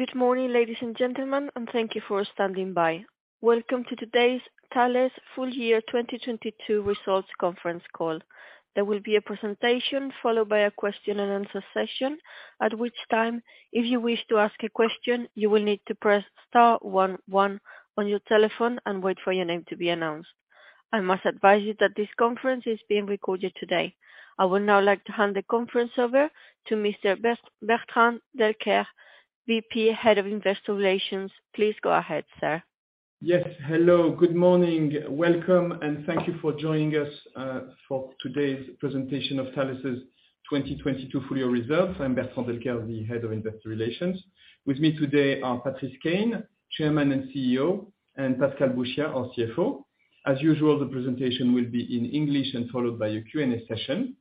Good morning, ladies and gentlemen, and thank you for standing by. Welcome to today's Thales full year 2022 results conference call. There will be a presentation followed by a question and answer session. At which time, if you wish to ask a question, you will need to press star one, one on your telephone and wait for your name to be announced. I must advise you that this conference is being recorded today. I would now like to hand the conference over to Mr. Bertrand Delcaire, VP, Head of Investor Relations. Please go ahead, sir. Yes. Hello. Good morning. Welcome, and thank you for joining us for today's presentation of Thales' 2022 full year results. I'm Bertrand Delcaire, the Head of Investor Relations. With me today are Patrice Caine, Chairman and CEO, and Pascal Bouchiat, our CFO. As usual, the presentation will be in English and followed by a Q&A session.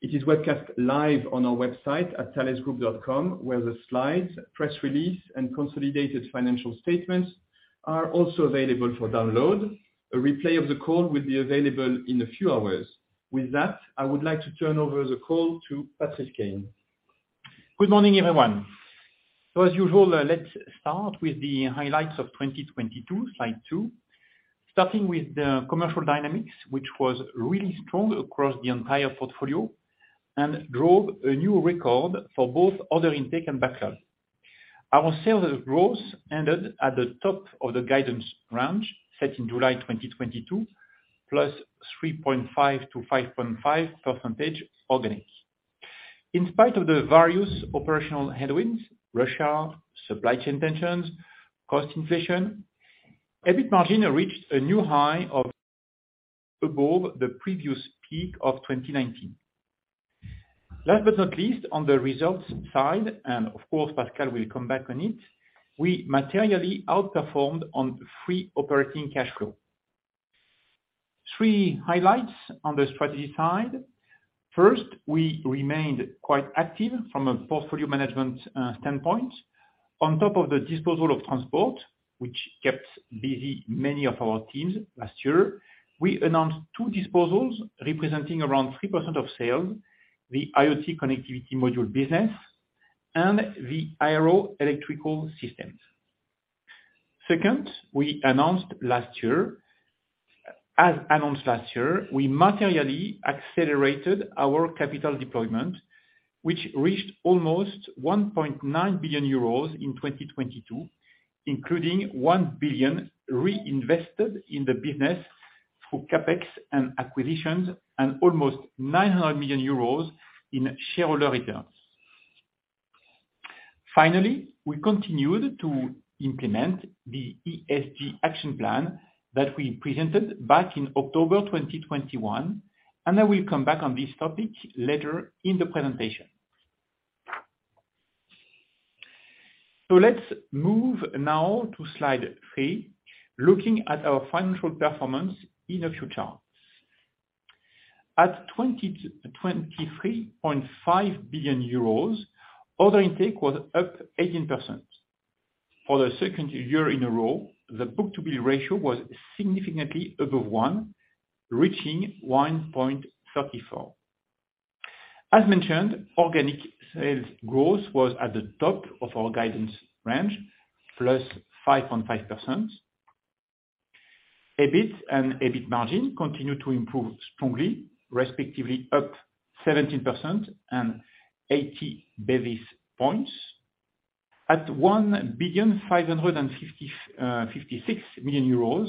It is webcast live on our website at thalesgroup.com, where the Slides, press release, and consolidated financial statements are also available for download. A replay of the call will be available in a few hours. With that, I would like to turn over the call to Patrice Caine. Good morning, everyone. As usual, let's start with the highlights of 2022, Slide 2. Starting with the commercial dynamics, which was really strong across the entire portfolio and drove a new record for both order intake and backlog. Our sales growth ended at the top of the guidance range, set in July 2022, plus 3.5% to 5.5% organic. In spite of the various operational headwinds, Russia, supply chain tensions, cost inflation, EBIT margin reached a new high of above the previous peak of 2019. Last but not least, on the results side, and of course Pascal will come back on it, we materially outperformed on free operating cash flow. Three highlights on the strategy side. First, we remained quite active from a portfolio management standpoint. On top of the disposal of transport, which kept busy many of our teams last year, we announced two disposals representing around 3% of sales, the IoT connectivity module business and the Aeronautical electrical systems. As announced last year, we materially accelerated our capital deployment, which reached almost 1.9 billion euros in 2022, including 1 billion reinvested in the business through CapEx and acquisitions and almost 900 million euros in shareholder returns. We continued to implement the ESG action plan that we presented back in October 2021, I will come back on this topic later in the presentation. Let's move now to Slide 3, looking at our financial performance in a few charts. At 23.5 billion euros, order intake was up 18%. For the second year in a row, the book-to-bill ratio was significantly above one, reaching 1.34. As mentioned, organic sales growth was at the top of our guidance range, +5.5%. EBIT and EBIT margin continued to improve strongly, respectively up 17% and 80 basis points. At 1,556 million euros,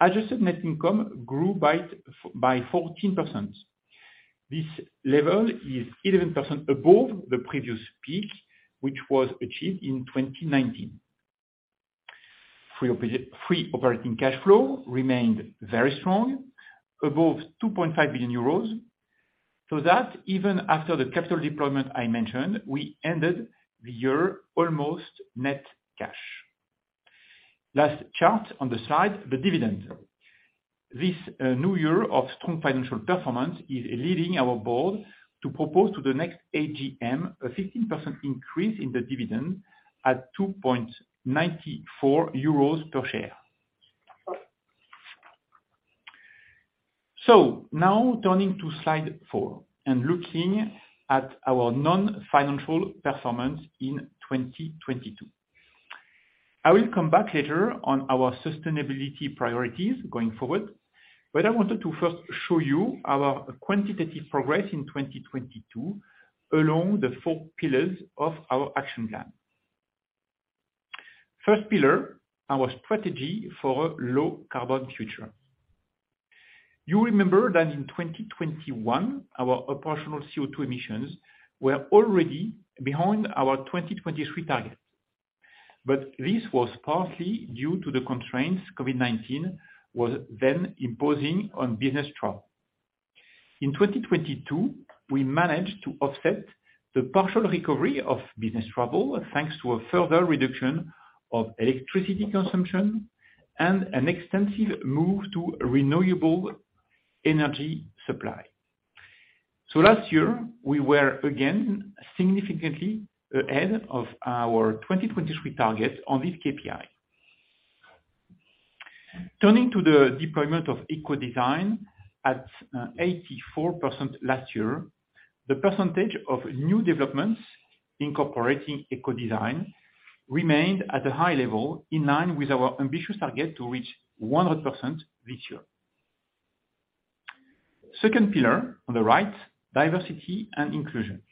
adjusted net income grew by 14%. This level is 11% above the previous peak, which was achieved in 2019. Free operating cash flow remained very strong, above 2.5 billion euros. That even after the capital deployment I mentioned, we ended the year almost net cash. Last chart on the side, the dividend. This new year of strong financial performance is leading our board to propose to the next AGM a 15% increase in the dividend at 2.94 euros per share. Now turning to Slide 4 and looking at our non-financial performance in 2022. I will come back later on our sustainability priorities going forward, but I wanted to first show you our quantitative progress in 2022 along the four pillars of our action plan. First pillar, our strategy for a low carbon future. You remember that in 2021, our operational CO2 emissions were already behind our 2023 target, but this was partly due to the constraints COVID-19 was then imposing on business travel. In 2022, we managed to offset the partial recovery of business travel, thanks to a further reduction of electricity consumption and an extensive move to renewable energy supply. Last year, we were again significantly ahead of our 2023 target on this KPI. Turning to the deployment of eco-design at 84% last year, the percentage of new developments incorporating eco-design remained at a high level in line with our ambitious target to reach 100% this year. Second pillar on the right, diversity and inclusion.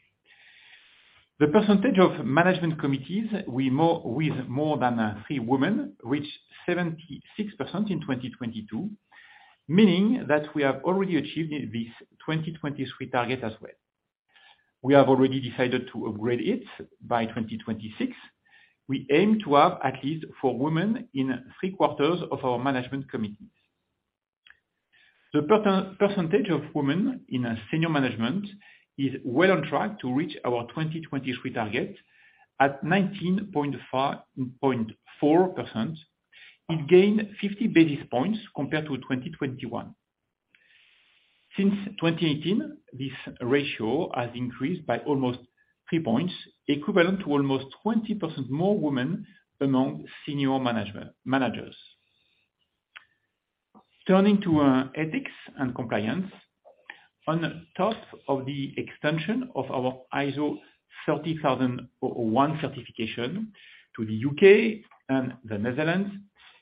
The percentage of management committees with more than 3 women reached 76% in 2022, meaning that we have already achieved this 2023 target as well. We have already decided to upgrade it by 2026. We aim to have at least 4 women in three-quarters of our management committees. The percentage of women in senior management is well on track to reach our 2023 target at 19.4%. It gained 50 basis points compared to 2021. Since 2018, this ratio has increased by almost 3 points, equivalent to almost 20% more women among senior managers. Turning to ethics and compliance. On top of the extension of our ISO 37001 certification to the UK and the Netherlands,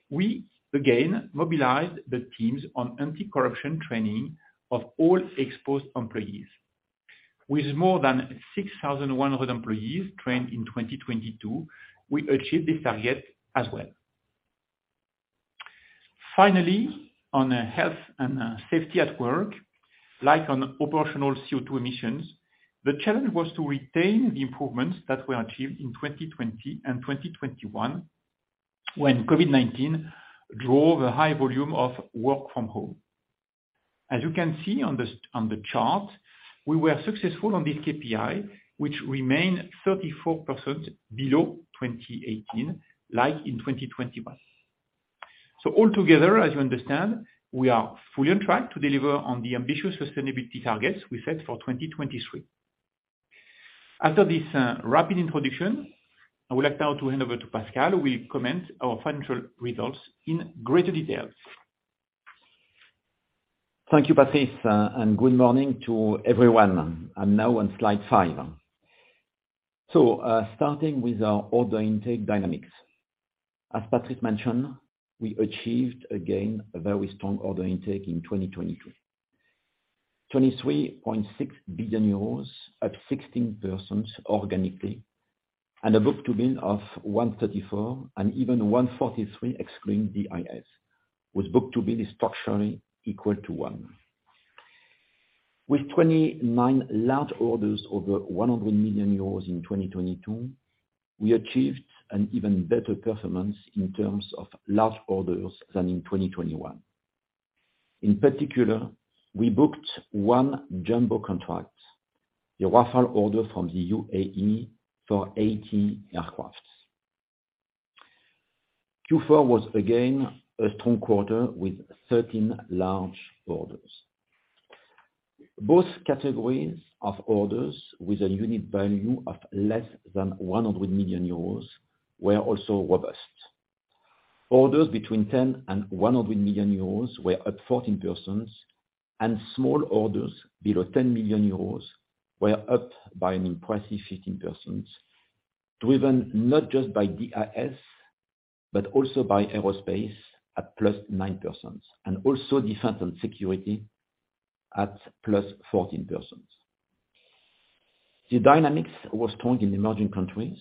we again mobilized the teams on anti-corruption training of all exposed employees. With more than 6,100 employees trained in 2022, we achieved this target as well. Finally, on health and safety at work, like on operational CO2 emissions, the challenge was to retain the improvements that were achieved in 2020 and 2021 when COVID-19 drove a high volume of work from home. As you can see on the chart, we were successful on this KPI, which remained 34% below 2018 like in 2021. All together, as you understand, we are fully on track to deliver on the ambitious sustainability targets we set for 2023. After this, rapid introduction, I would like now to hand over to Pascal, who will comment our financial results in greater details. Thank you, Patrice. Good morning to everyone. I'm now on Slide 5. Starting with our order intake dynamics. As Patrice mentioned, we achieved again a very strong order intake in 2022. 23.6 billion euros at 16% organically and a book-to-bill of 1.34 and even 1.43 excluding DIS, with book-to-bill structurally equal to 1. With 29 large orders over 100 million euros in 2022, we achieved an even better performance in terms of large orders than in 2021. In particular, we booked one jumbo contract, the Rafale order from the UAE for 80 aircraft. Q4 was again a strong quarter with 13 large orders. Both categories of orders with a unit value of less than 100 million euros were also robust. Orders between 10 million and 100 million euros were at 14%, and small orders below 10 million euros were up by an impressive 15%, driven not just by DIS, but also by aerospace at +9% and also defense and security at +14%. The dynamics were strong in emerging countries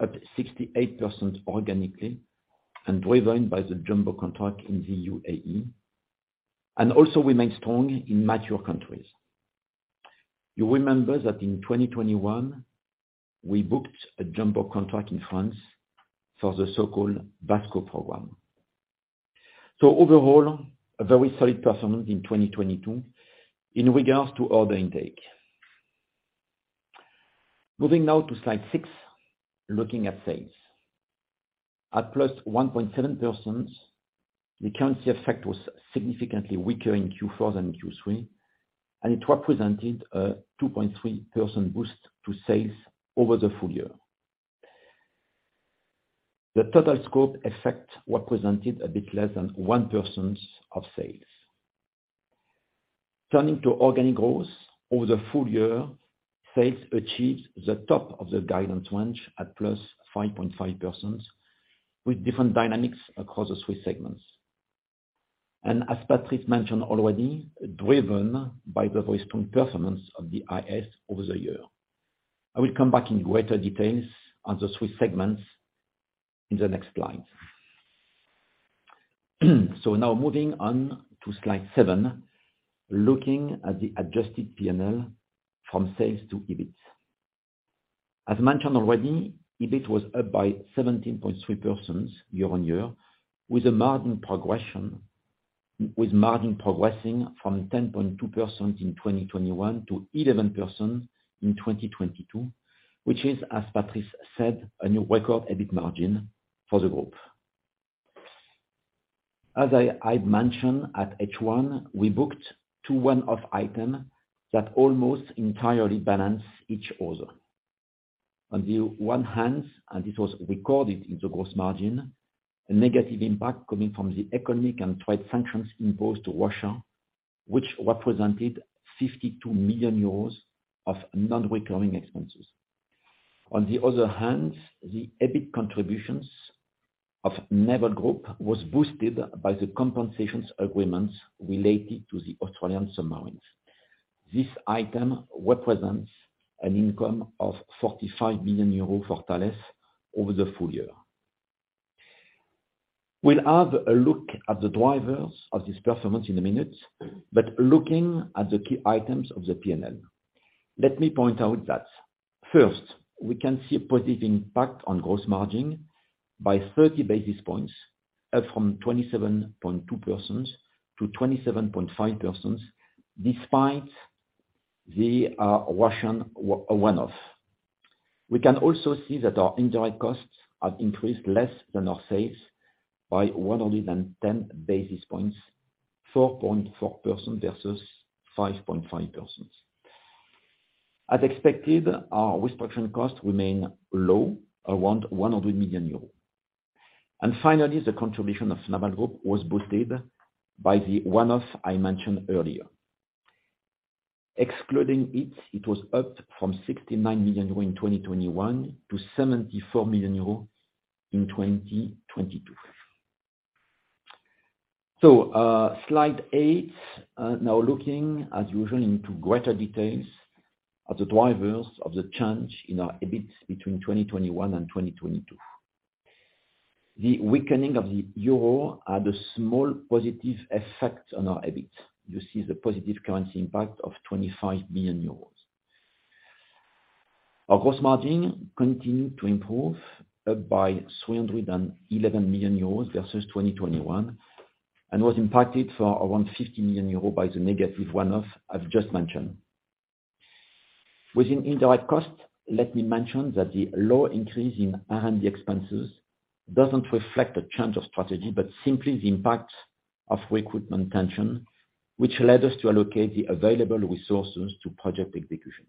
at 68% organically and driven by the jumbo contract in the UAE, and also remained strong in mature countries. You remember that in 2021, we booked a jumbo contract in France for the so-called BASCO program. Overall, a very solid performance in 2022 in regards to order intake. Moving now to Slide 6, looking at sales. At +1.7%, the currency effect was significantly weaker in Q4 than Q3, and it represented a 2.3% boost to sales over the full year. The total scope effect represented a bit less than 1% of sales. Turning to organic growth, over the full year, sales achieved the top of the guidance range at +5.5% with different dynamics across the 3 segments. As Patrice mentioned already, driven by the very strong performance of DIS over the year. I will come back in greater details on the 3 segments in the next Slide. Now moving on to Slide 7, looking at the adjusted P&L from sales to EBIT. As mentioned already, EBIT was up by 17.3% year-on-year with margin progressing from 10.2% in 2021 to 11% in 2022, which is, as Patrice said, a new record EBIT margin for the group. As I mentioned at H1, we booked two one-off item that almost entirely balance each other. On the one hand, this was recorded in the gross margin, a negative impact coming from the economic and trade sanctions imposed to Russia, which represented 52 million euros of non-recurring expenses. On the other hand, the EBIT contributions of Naval Group was boosted by the compensations agreements related to the Australian submarines. This item represents an income of 45 million euros for Thales over the full year. We'll have a look at the drivers of this performance in a minute, looking at the key items of the P&L, let me point out that first, we can see a positive impact on gross margin by 30 basis points, up from 27.2% to 27.5%, despite the Russian one-off. We can also see that our indirect costs have increased less than our sales by 110 basis points, 4.4% versus 5.5%. As expected, our restructuring costs remain low around 100 million euros. Finally, the contribution of Naval Group was boosted by the one-off I mentioned earlier. Excluding it was up from 69 million euros in 2021 to 74 million euros in 2022. Slide 8. Now looking as usual into greater details of the drivers of the change in our EBIT between 2021 and 2022. The weakening of the euro had a small positive effect on our EBIT. You see the positive currency impact of 25 million euros. Our gross margin continued to improve up by 311 million euros versus 2021 and was impacted for around 50 million euros by the negative one-off I've just mentioned. Within indirect costs, let me mention that the low increase in R&D expenses doesn't reflect a change of strategy, but simply the impact of recruitment tension which led us to allocate the available resources to project execution.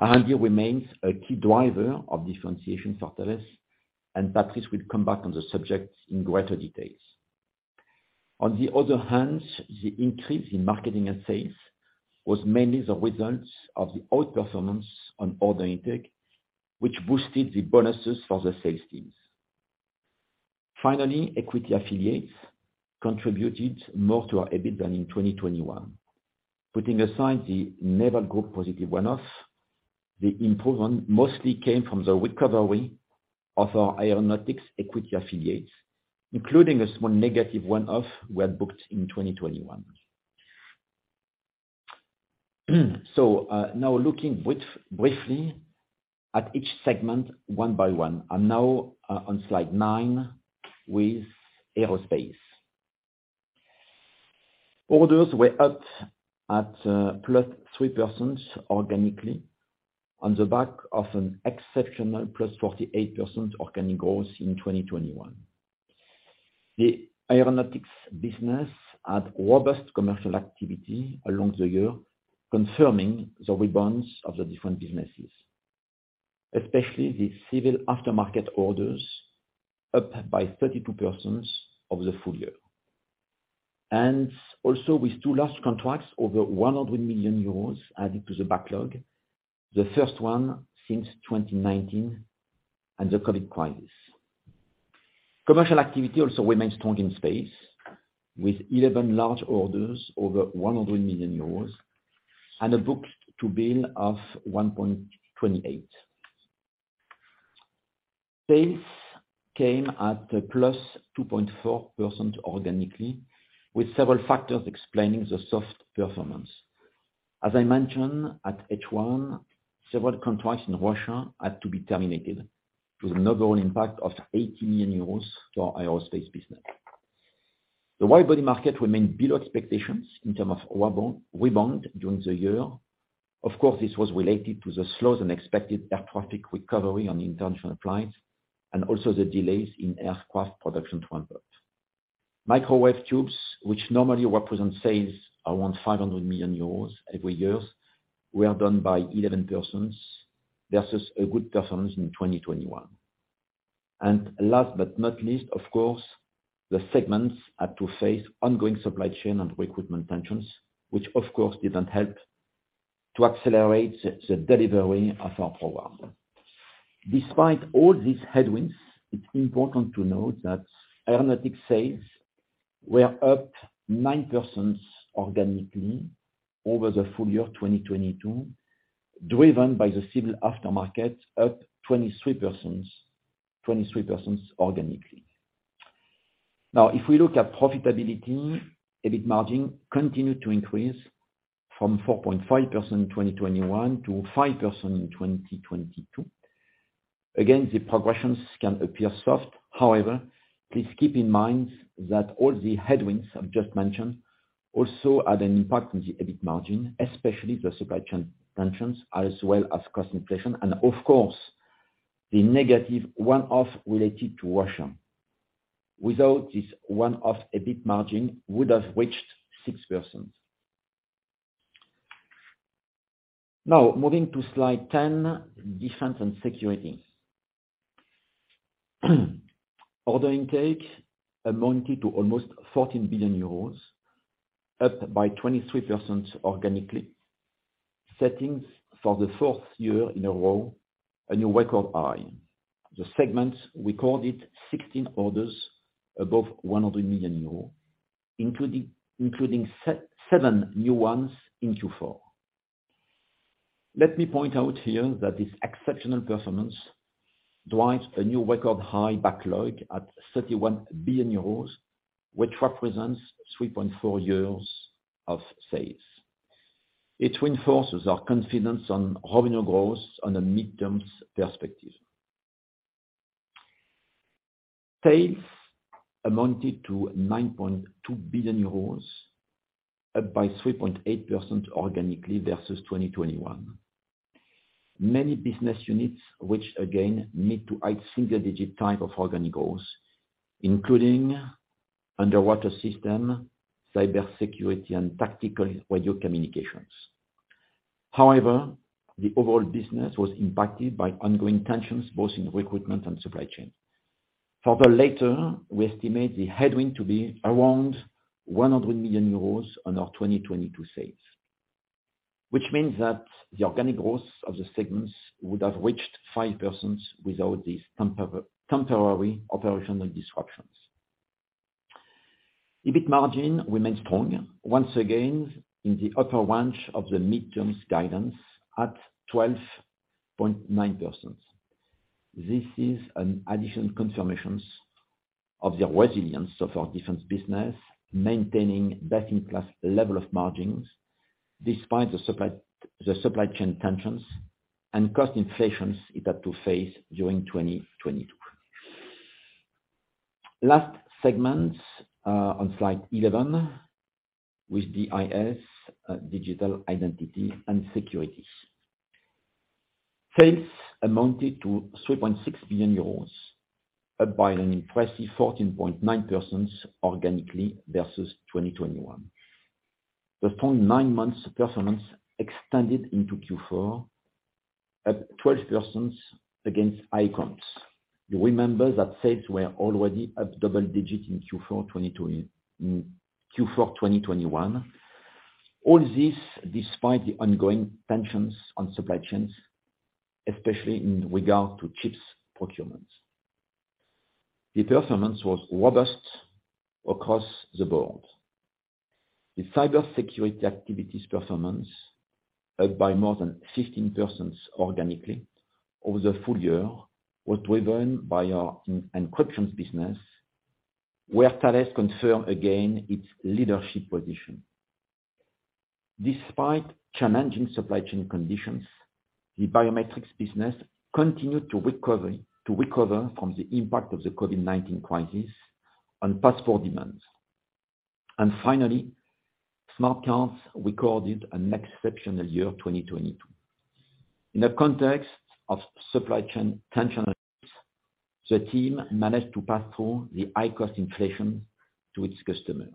R&D remains a key driver of differentiation for Thales, Patrice will come back on the subject in greater details. On the other hand, the increase in marketing and sales was mainly the results of the outperformance on order intake, which boosted the bonuses for the sales teams. Finally, equity affiliates contributed more to our EBIT than in 2021. Putting aside the Naval Group positive one-off, the improvement mostly came from the recovery of our aeronautics equity affiliates, including a small negative one-off we had booked in 2021. Now looking briefly at each segment one by one. Now on Slide 9 with aerospace. Orders were up at +3% organically on the back of an exceptional +48% organic growth in 2021. The aeronautics business had robust commercial activity along the year, confirming the rebounds of the different businesses, especially the civil aftermarket orders, up by 32% over the full year. Also with 2 large contracts over 100 million euros added to the backlog, the first one since 2019 and the COVID crisis. Commercial activity also remains strong in space with 11 large orders over 100 million euros and a book-to-bill of 1.28. Sales came at a +2.4% organically with several factors explaining the soft performance. As I mentioned at H1, several contracts in Russia had to be terminated with an overall impact of 80 million euros to our aerospace business. The wide-body market remained below expectations in term of rebound during the year. Of course, this was related to the slower-than-expected air traffic recovery on international flights and also the delays in aircraft production to convert. Microwave tubes, which normally represent sales around 500 million euros every years, were down by 11 persons versus a good performance in 2021. Last but not least, of course, the segments had to face ongoing supply chain and recruitment tensions, which of course, didn't help to accelerate the delivery of our program. Despite all these headwinds, it's important to note that aeronautics sales were up 9% organically over the full year of 2022, driven by the civil aftermarket, up 23% organically. If we look at profitability, EBIT margin continued to increase from 4.5% in 2021 to 5% in 2022. Again, the progressions can appear soft. However, please keep in mind that all the headwinds I've just mentioned also had an impact on the EBIT margin, especially the supply chain tensions, as well as cost inflation and of course, the negative one-off related to Russia. Without this one-off, EBIT margin would have reached 6%. Moving to Slide 10, defense and security. Order intake amounted to almost 14 billion euros, up by 23% organically, setting for the 4th year in a row, a new record high. The segment recorded 16 orders above 100 million euros, including 7 new ones in Q4. Let me point out here that this exceptional performance drives a new record high backlog at 31 billion euros, which represents 3.4 years of sales. It reinforces our confidence on revenue growth on a midterms perspective. Sales amounted to 9.2 billion euros, up by 3.8% organically versus 2021. Many business units, which again meet to high single-digit type of organic growth, including underwater system, cybersecurity, and tactical radio communications. The overall business was impacted by ongoing tensions, both in recruitment and supply chain. For the latter, we estimate the headwind to be around 100 million euros on our 2022 sales. Which means that the organic growth of the segments would have reached 5% without these temporary operational disruptions. EBIT margin remains strong, once again, in the upper range of the midterms guidance at 12.9%. This is an addition confirmations of the resilience of our defense business, maintaining best-in-class level of margins despite the supply chain tensions and cost inflations it had to face during 2022. Last segment on Slide 11 with DIS, Digital Identity and Security. Sales amounted to 3.6 billion euros, up by an impressive 14.9% organically versus 2021. The full 9 months performance extended into Q4 at 12% against icons. You remember that sales were already at double-digit in Q4 2021. All this despite the ongoing tensions on supply chains, especially in regard to chips procurements. The performance was robust across the board. The cybersecurity activities performance, up by more than 15% organically over the full year, was driven by our encryption business, where Thales confirmed again its leadership position. Despite challenging supply chain conditions, the biometrics business continued to recover from the impact of the COVID-19 crisis on passport demands. Finally, smart cards recorded an exceptional year, 2022. In the context of supply chain tensions, the team managed to pass through the high cost inflation to its customers.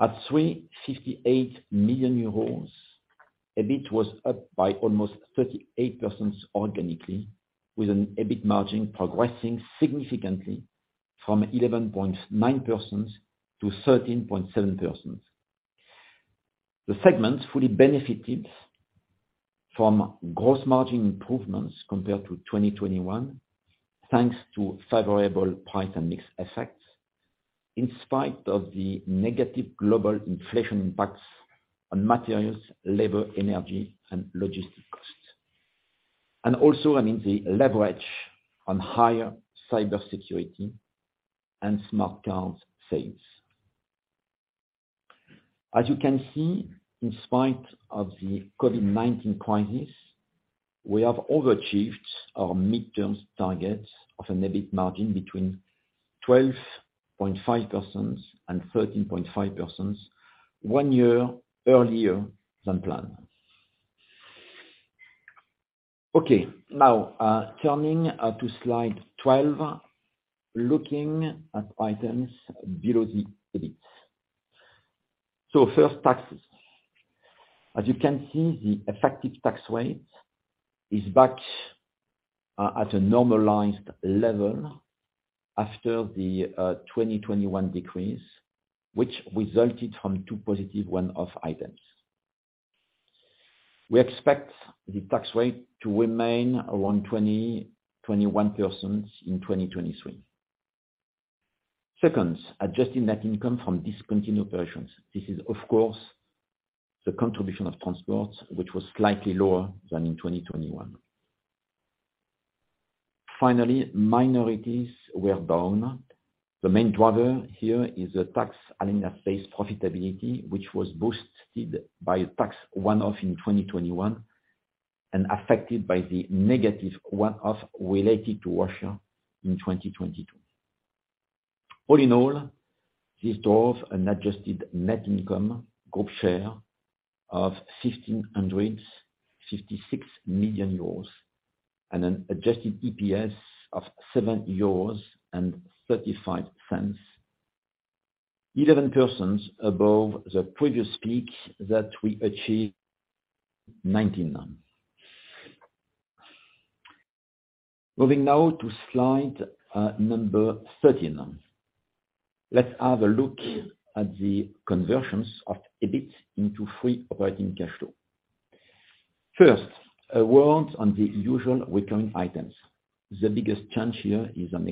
At 358 million euros, EBIT was up by almost 38% organically, with an EBIT margin progressing significantly from 11.9% to 13.7%. The segment fully benefited from gross margin improvements compared to 2021, thanks to favorable price and mix effects, in spite of the negative global inflation impacts on materials, labor, energy, and logistic costs. Also, I mean, the leverage on higher cybersecurity and smart cards sales. As you can see, in spite of the COVID-19 crisis, we have overachieved our midterms targets of an EBIT margin between 12.5% and 13.5% one year earlier than planned. Now, turning to Slide 12, looking at items below the EBIT. First, taxes. As you can see, the effective tax rate is back at a normalized level after the 2021 decrease, which resulted from 2 positive one-off items. We expect the tax rate to remain around 20%-21% in 2023. Second, adjusting net income from discontinued operations. This is, of course, the contribution of transport, which was slightly lower than in 2021. Finally, minorities were down. The main driver here is the Thales Alenia Space profitability, which was boosted by a tax one off in 2021 and affected by the negative one off related to Russia in 2022. All in all, this draws an adjusted net income group share of 1,656 million euros and an adjusted EPS of 7.35 euros. 11% above the previous peak that we achieved 2019. Moving now to Slide number 13. Let's have a look at the conversions of EBIT into free operating cash flow. First, a word on the usual recurring items. The biggest change here is on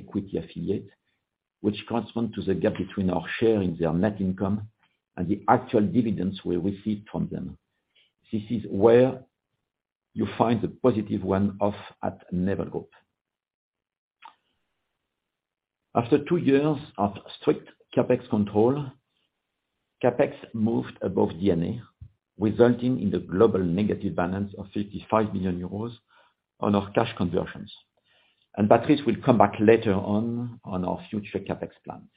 equity affiliate, which corresponds to the gap between our share in their net income and the actual dividends we received from them. This is where you find the positive one off at Naval Group. After 2 years of strict CapEx control, CapEx moved above D&A, resulting in the global negative balance of 55 million euros on our cash conversions. Patrice will come back later on our future CapEx plans.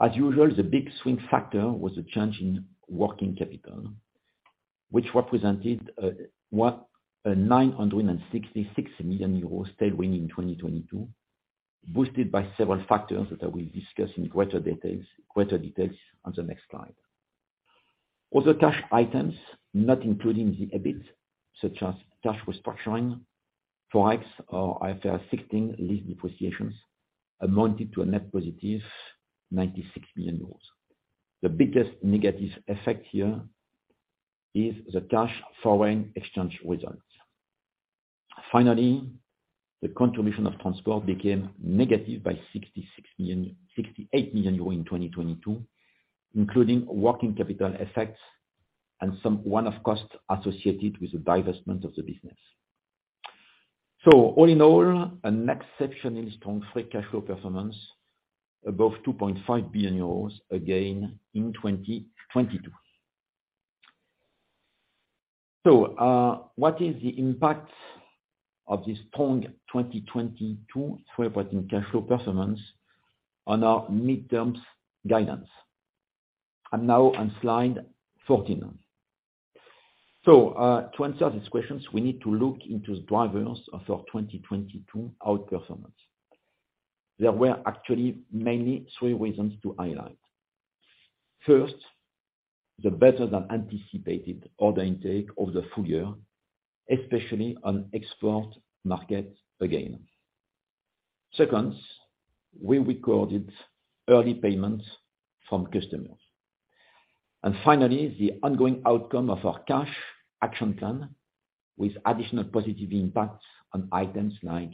As usual, the big swing factor was a change in working capital, which represented 966 million euros tailwind in 2022, boosted by several factors that I will discuss in greater details on the next Slide. Other cash items, not including the EBIT, such as cash restructuring, hikes or IFRS 16 lease depreciations, amounted to a net positive 96 million euros. The biggest negative effect here is the cash foreign exchange results. Finally, the contribution of transport became negative by 66 million, 68 million euros in 2022, including working capital effects and some one-off costs associated with the divestment of the business. All in all, an exceptionally strong free cash flow performance above 2.5 billion euros, again, in 2022. What is the impact of this strong 2022 free cash flow performance on our mid-terms guidance? I am now on Slide 14. To answer these questions, we need to look into the drivers of our 2022 outperformance. There were actually mainly three reasons to highlight. First, the better than anticipated order intake of the full year, especially on export market, again. Second, we recorded early payments from customers. Finally, the ongoing outcome of our cash action plan with additional positive impacts on items like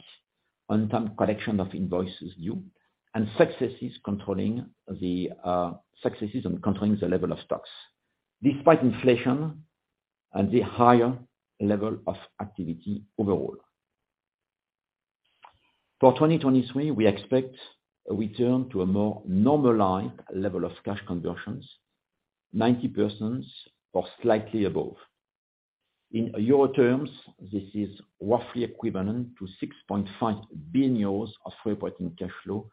on time collection of invoices due and successes controlling the level of stocks despite inflation and the higher level of activity overall. For 2023, we expect a return to a more normalized level of cash conversions, 90% or slightly above. In euro terms, this is roughly equivalent to 6.5 billion euros of free operating cash flow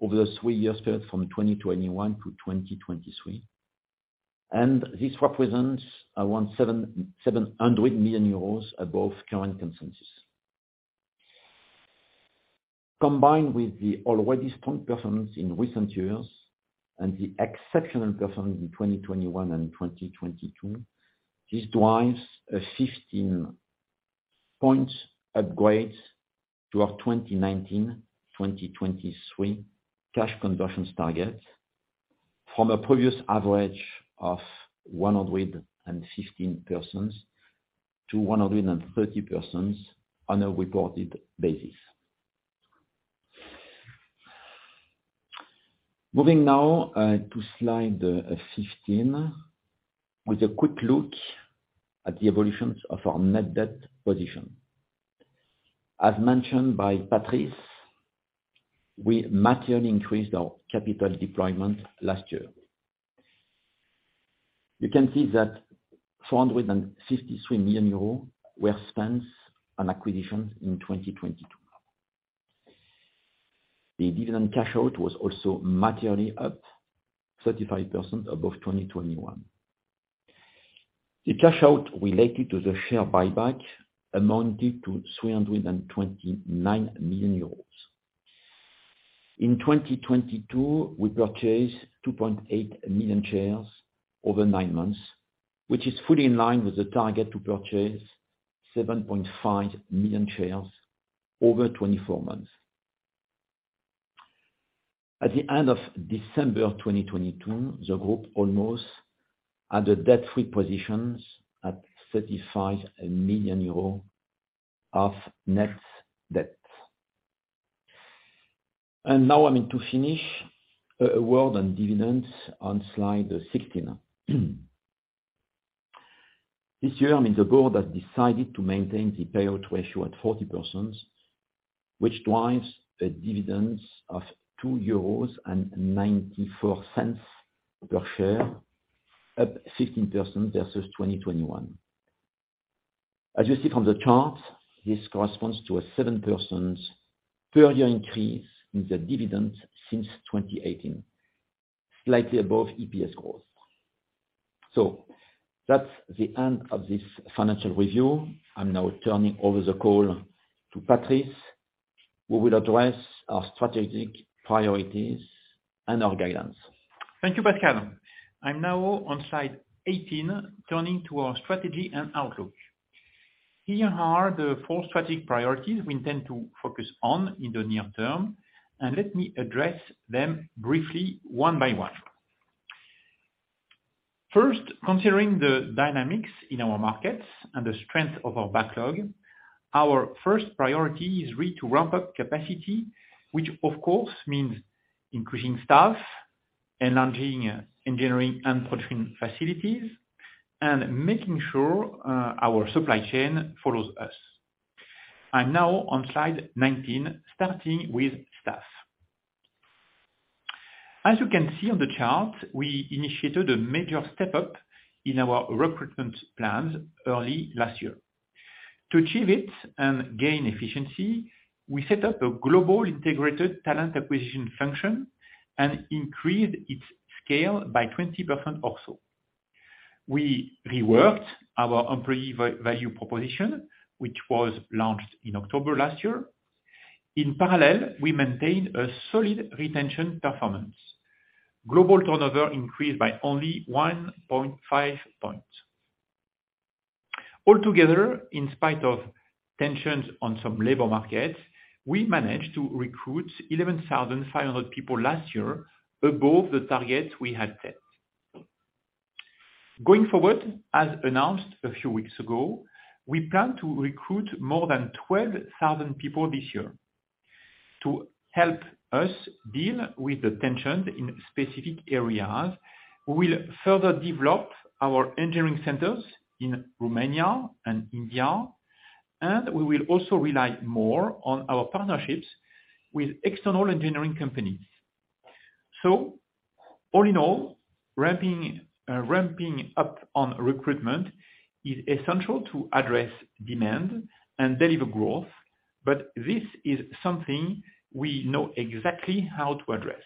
over the 3 years period from 2021 to 2023. This represents around 700 million euros above current consensus. Combined with the already strong performance in recent years and the exceptional performance in 2021 and 2022, this drives a 15 points upgrade to our 2019-2023 cash conversions target from a previous average of 115% to 130% on a reported basis. Moving now to Slide 15, with a quick look at the evolution of our net debt position. As mentioned by Patrice, we materially increased our capital deployment last year. You can see that 463 million euros were spent on acquisitions in 2022. The dividend cash out was also materially up 35% above 2021. The cash out related to the share buyback amounted to 329 million euros. In 2022, we purchased 2.8 million shares over 9 months, which is fully in line with the target to purchase 7.5 million shares over 24 months. At the end of December of 2022, the group almost had a debt-free position at EUR 35 million of net debt. Now I mean to finish, a word on dividends on Slide 16. This year, I mean, the board has decided to maintain the payout ratio at 40%, which drives a dividend of 2.94 euros per share, up 15% versus 2021. As you see from the chart, this corresponds to a 7% per year increase in the dividend since 2018, slightly above EPS growth. That's the end of this financial review. I'm now turning over the call to Patrice, who will address our strategic priorities and our guidance. Thank you, Pascal. I'm now on Slide 18, turning to our strategy and outlook. Here are the four strategic priorities we intend to focus on in the near term. Let me address them briefly one by one. First, considering the dynamics in our markets and the strength of our backlog, our first priority is really to ramp up capacity, which of course means increasing staff and launching engineering and production facilities and making sure our supply chain follows us. I'm now on Slide 19, starting with staff. As you can see on the chart, we initiated a major step-up in our recruitment plans early last year. To achieve it and gain efficiency, we set up a global integrated talent acquisition function and increased its scale by 20% also. We reworked our employee value proposition, which was launched in October last year. In parallel, we maintained a solid retention performance. Global turnover increased by only 1.5 points. Altogether, in spite of tensions on some labor markets, we managed to recruit 11,500 people last year above the target we had set. Going forward, as announced a few weeks ago, we plan to recruit more than 12,000 people this year. To help us deal with the tension in specific areas, we'll further develop our engineering centers in Romania and India, and we will also rely more on our partnerships with external engineering companies. All in all, ramping up on recruitment is essential to address demand and deliver growth, but this is something we know exactly how to address.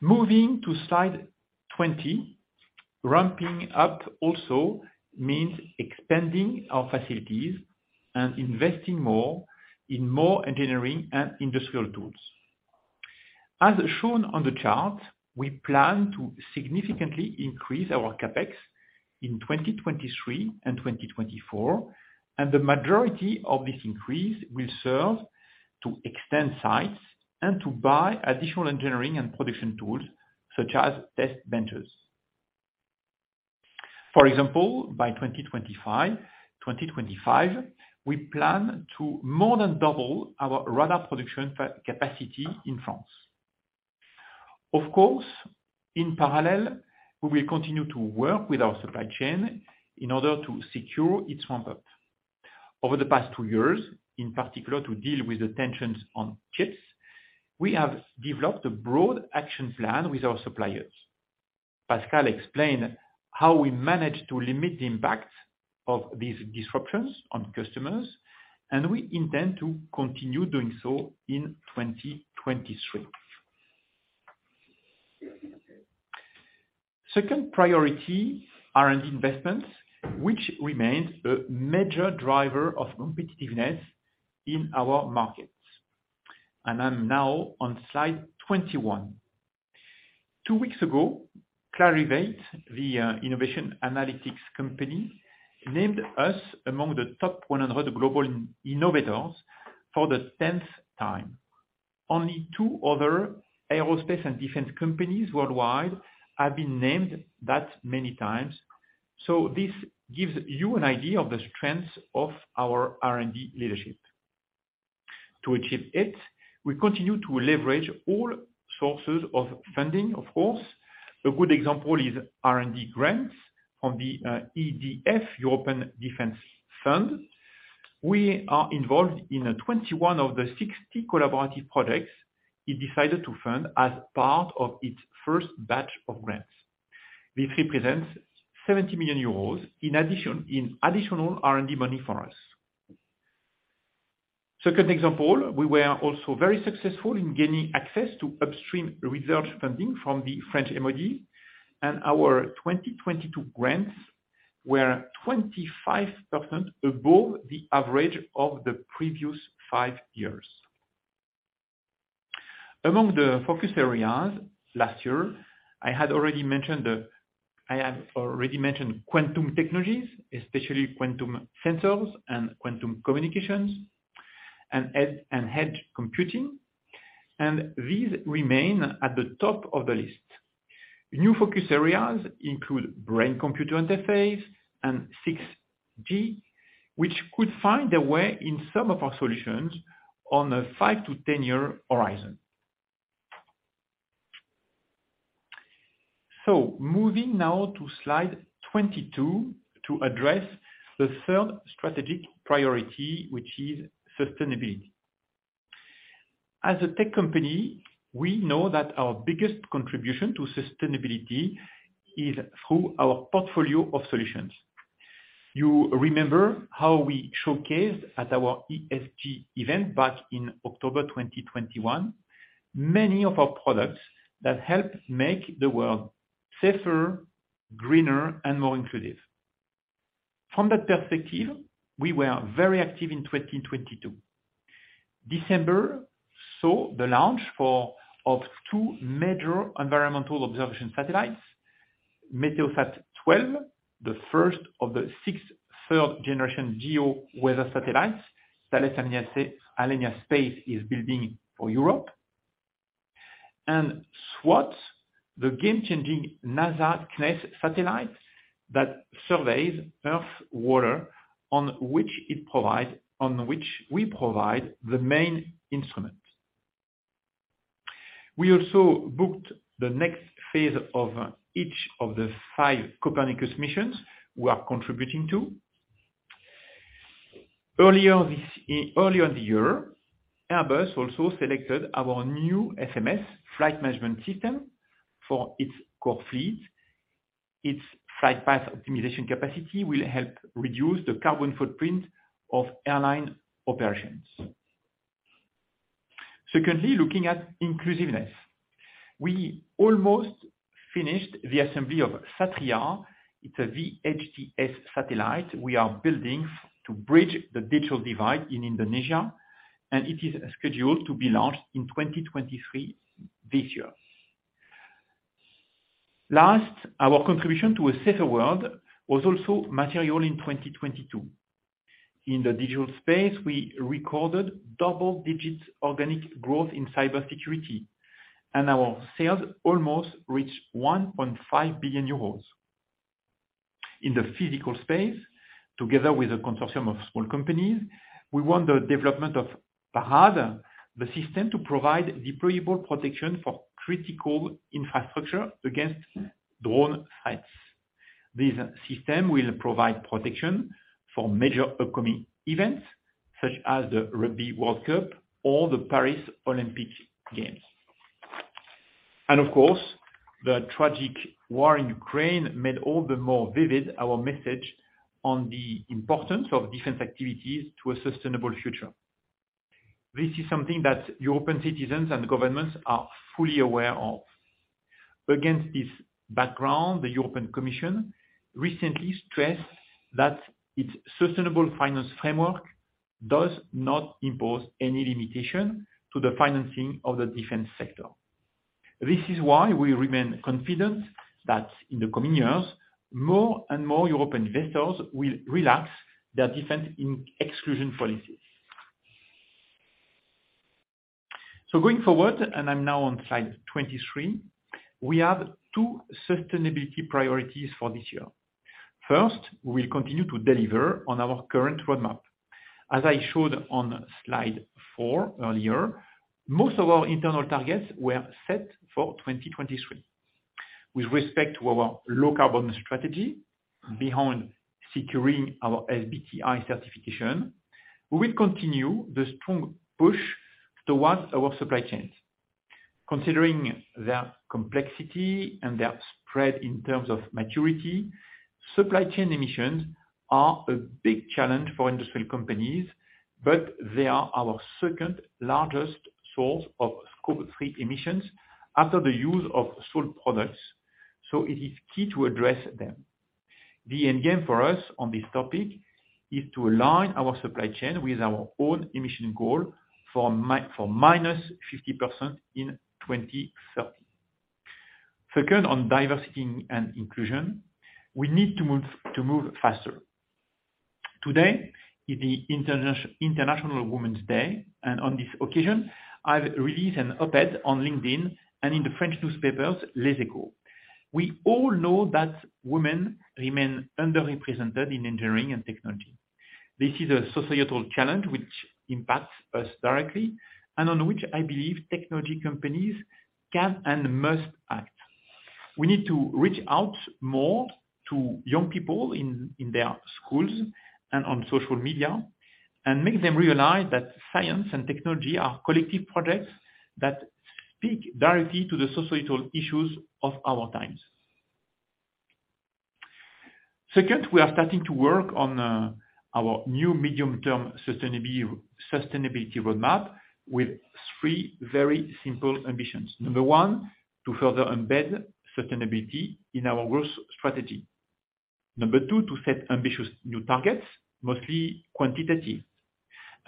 Moving to Slide 20, ramping up also means expanding our facilities and investing more in more engineering and industrial tools. As shown on the chart, we plan to significantly increase our CapEx in 2023 and 2024, and the majority of this increase will serve to extend sites and to buy additional engineering and production tools such as test benches. For example, by 2025, we plan to more than double our radar production capacity in France. Of course, in parallel, we will continue to work with our supply chain in order to secure its ramp-up. Over the past two years, in particular to deal with the tensions on chips, we have developed a broad action plan with our suppliers. Pascal explained how we managed to limit the impact of these disruptions on customers, and we intend to continue doing so in 2023. Second priority, R&D investments, which remains a major driver of competitiveness in our markets. I'm now on Slide 21. Two weeks ago, Clarivate, the innovation analytics company, named us among the top 100 global innovators for the 10th time. Only two other aerospace and defense companies worldwide have been named that many times. This gives you an idea of the strength of our R&D leadership. To achieve it, we continue to leverage all sources of funding, of course. A good example is R&D grants from the EDF, European Defence Fund. We are involved in 21 of the 60 collaborative projects it decided to fund as part of its first batch of grants. This represents 70 million euros in additional R&D money for us. Second example, we were also very successful in gaining access to upstream research funding from the French MOD, and our 2022 grants were 25% above the average of the previous five years. Among the focus areas last year, I have already mentioned quantum technologies, especially quantum sensors and quantum communications and edge computing. These remain at the top of the list. New focus areas include brain-computer interface and 6G, which could find a way in some of our solutions on a 5-10-year horizon. Moving now to Slide 22 to address the third strategic priority, which is sustainability. As a tech company, we know that our biggest contribution to sustainability is through our portfolio of solutions. You remember how we showcased at our ESG event back in October 2021, many of our products that help make the world safer, greener and more inclusive. From that perspective, we were very active in 2022. December saw the launch of two major environmental observation satellites, Meteosat-12, the first of the six third generation geo-weather satellites Thales Alenia Space is building for Europe, and SWOT, the game-changing NASA/CNES satellite that surveys earth water on which we provide the main instrument. We also booked the next phase of each of the five Copernicus missions we are contributing to. Earlier in the year, Airbus also selected our new FMS flight management system for its core fleet. Its flight path optimization capacity will help reduce the carbon footprint of airline operations. Looking at inclusiveness. We almost finished the assembly of Satria. It's a VHTS satellite we are building to bridge the digital divide in Indonesia, and it is scheduled to be launched in 2023 this year. Our contribution to a safer world was also material in 2022. In the digital space, we recorded double digits organic growth in cybersecurity, and our sales almost reached 1.5 billion euros. In the physical space, together with a consortium of small companies, we won the development of PARADE, the system to provide deployable protection for critical infrastructure against drone threats. This system will provide protection for major upcoming events such as the Rugby World Cup or the Paris Olympic Games. Of course, the tragic war in Ukraine made all the more vivid our message on the importance of defense activities to a sustainable future. This is something that European citizens and governments are fully aware of. Against this background, the European Commission recently stressed that its sustainable finance framework does not impose any limitation to the financing of the defense sector. This is why we remain confident that in the coming years, more and more European investors will relax their defense exclusion policies. Going forward, and I'm now on Slide 23, we have 2 sustainability priorities for this year. First, we'll continue to deliver on our current roadmap. As I showed on Slide 4 earlier, most of our internal targets were set for 2023. With respect to our low carbon strategy behind securing our SBTi certification, we will continue the strong push towards our supply chains. Considering their complexity and their spread in terms of maturity, supply chain emissions are a big challenge for industrial companies, but they are our second-largest source of Scope 3 emissions after the use of sold products, so it is key to address them. The end game for us on this topic is to align our supply chain with our own emission goal for minus 50% in 2030. Second, on diversity and inclusion, we need to move faster. Today is the International Women's Day, and on this occasion, I've released an op-ed on LinkedIn and in the French newspapers, Les Echos. We all know that women remain underrepresented in engineering and technology. This is a societal challenge which impacts us directly and on which I believe technology companies can and must act. We need to reach out more to young people in their schools and on social media and make them realize that science and technology are collective projects that speak directly to the societal issues of our times. Second, we are starting to work on our new medium-term sustainability roadmap with 3 very simple ambitions. Number 1, to further embed sustainability in our growth strategy. Number 2, to set ambitious new targets, mostly quantitative.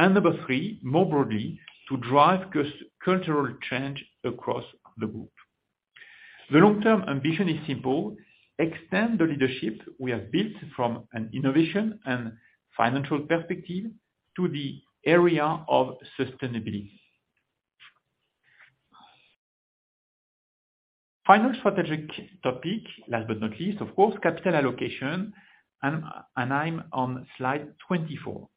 Number 3, more broadly, to drive cultural change across the group. The long-term ambition is simple, extend the leadership we have built from an innovation and financial perspective to the area of sustainability. Final strategic topic, last but not least, of course, capital allocation, I'm on Slide 24.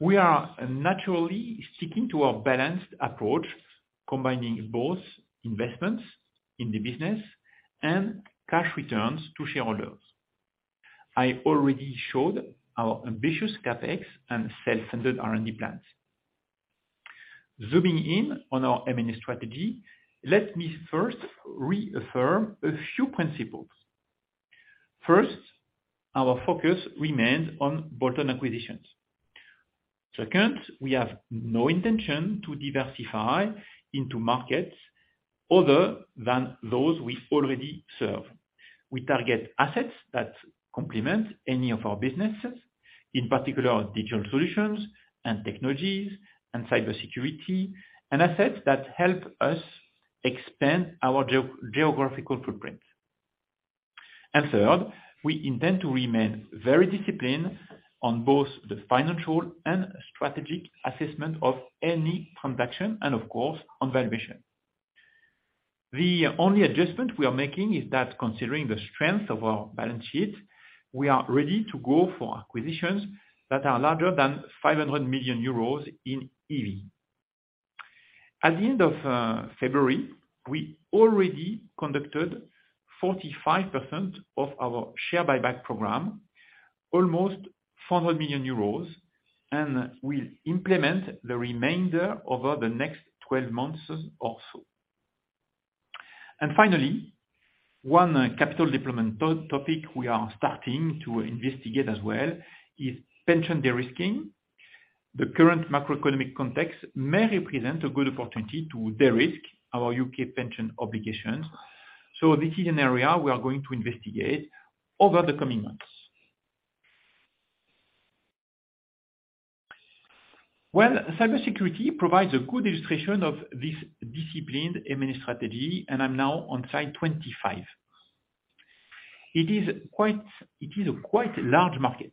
We are naturally sticking to our balanced approach, combining both investments in the business and cash returns to shareholders. I already showed our ambitious CapEx and self-funded R&D plans. Zooming in on our M&A strategy, let me first reaffirm a few principles. First, our focus remains on bottom acquisitions. Second, we have no intention to diversify into markets other than those we already serve. We target assets that complement any of our businesses, in particular digital solutions and technologies and cybersecurity, and assets that help us expand our geographical footprint. Third, we intend to remain very disciplined on both the financial and strategic assessment of any transaction and of course, on valuation. The only adjustment we are making is that considering the strength of our balance sheet, we are ready to go for acquisitions that are larger than 500 million euros in EV. At the end of February, we already conducted 45% of our share buyback program, almost 400 million euros, and we'll implement the remainder over the next 12 months or so. Finally, one capital deployment topic we are starting to investigate as well is pension de-risking. The current macroeconomic context may represent a good opportunity to de-risk our UK pension obligations. This is an area we are going to investigate over the coming months. Well, cybersecurity provides a good illustration of this disciplined M&A strategy, and I'm now on Slide 25. It is a quite large market,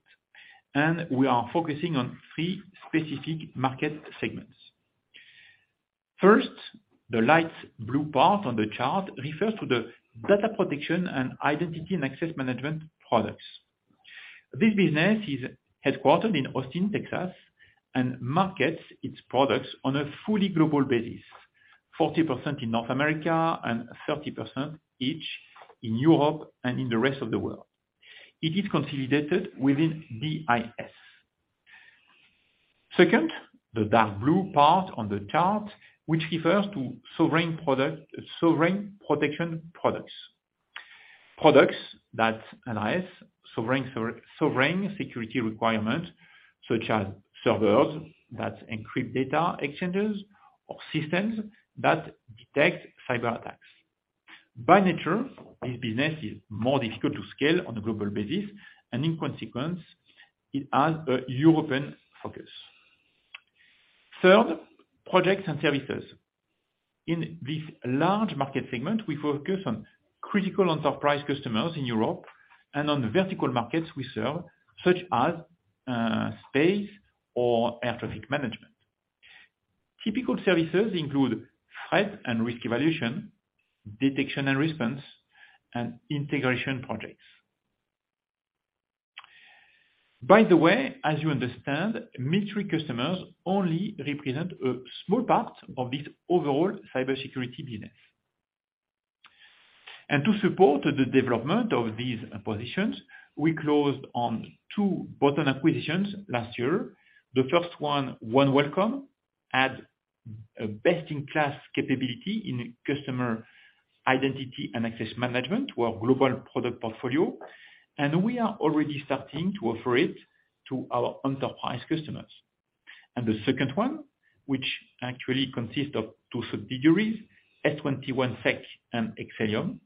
and we are focusing on three specific market segments. First, the light blue part on the chart refers to the data protection and identity and access management products. This business is headquartered in Austin, Texas, and markets its products on a fully global basis, 40% in North America and 30% each in Europe and in the rest of the world. It is consolidated within DIS. Second, the dark blue part on the chart, which refers to sovereign protection products. Products that analyze sovereign security requirements, such as servers that encrypt data exchanges or systems that detect cyberattacks. By nature, this business is more difficult to scale on a global basis, and in consequence, it has a European focus. Third, products and services. In this large market segment, we focus on critical enterprise customers in Europe and on the vertical markets we serve, such as space or air traffic management. Typical services include threat and risk evaluation, detection and response, and integration projects. By the way, as you understand, military customers only represent a small part of this overall cybersecurity business. To support the development of these positions, we closed on two bottom acquisitions last year. The first one, OneWelcome, had a best-in-class capability in customer identity and access management to our global product portfolio. We are already starting to offer it to our enterprise customers. The second one, which actually consists of 2 subsidiaries, S21sec and Excellium,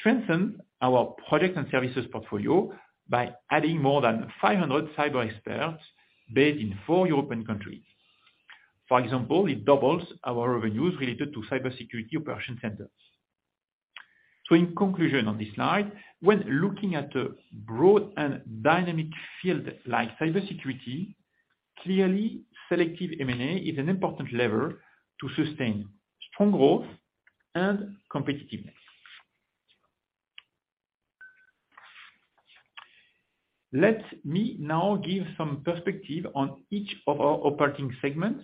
strengthen our products and services portfolio by adding more than 500 cyber experts based in 4 European countries. For example, it doubles our revenues related to cybersecurity operation centers. In conclusion on this Slide, when looking at a broad and dynamic field like cybersecurity, clearly selective M&A is an important lever to sustain strong growth and competitiveness. Let me now give some perspective on each of our operating segments,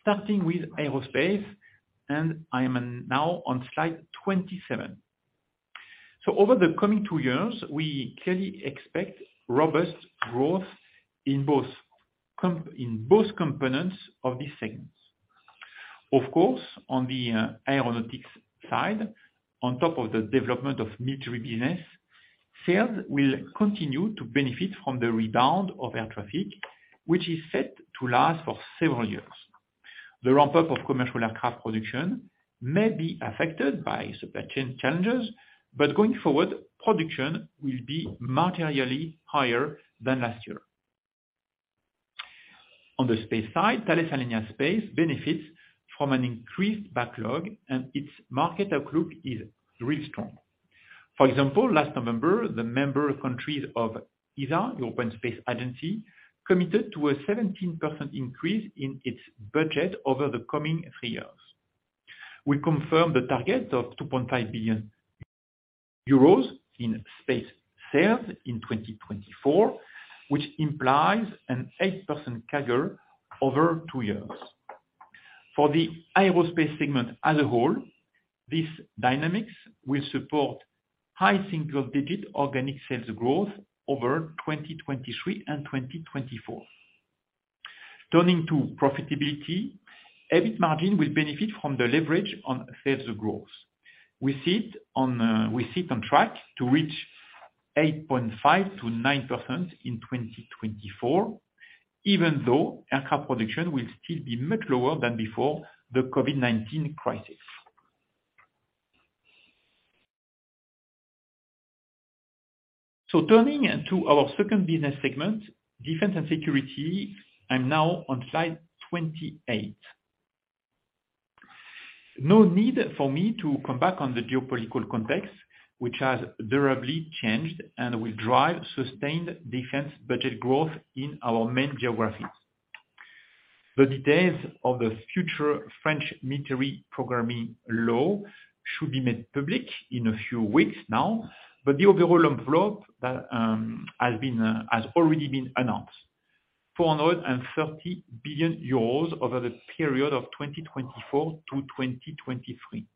starting with aerospace. I am now on Slide 27. Over the coming 2 years, we clearly expect robust growth in both components of these segments. Of course, on the aeronautics side, on top of the development of military business, sales will continue to benefit from the rebound of air traffic, which is set to last for several years. The ramp-up of commercial aircraft production may be affected by supply chain challenges. Going forward, production will be materially higher than last year. On the space side, Thales Alenia Space benefits from an increased backlog and its market outlook is really strong. For example, last November, the member countries of ESA, the European Space Agency, committed to a 17% increase in its budget over the coming 3 years. We confirm the target of 2.5 billion euros in space sales in 2024, which implies an 8% CAGR over 2 years. For the aerospace segment as a whole, these dynamics will support high single-digit organic sales growth over 2023 and 2024. Turning to profitability, EBIT margin will benefit from the leverage on sales growth. We sit on track to reach 8.5%-9% in 2024, even though aircraft production will still be much lower than before the COVID-19 crisis. Turning to our second business segment, defense and security, and now on Slide 28. No need for me to come back on the geopolitical context, which has durably changed and will drive sustained defense budget growth in our main geographies. The details of the future French military programming law should be made public in a few weeks now, but the overall envelope that has already been announced, 430 billion euros over the period of 2024 to 2023.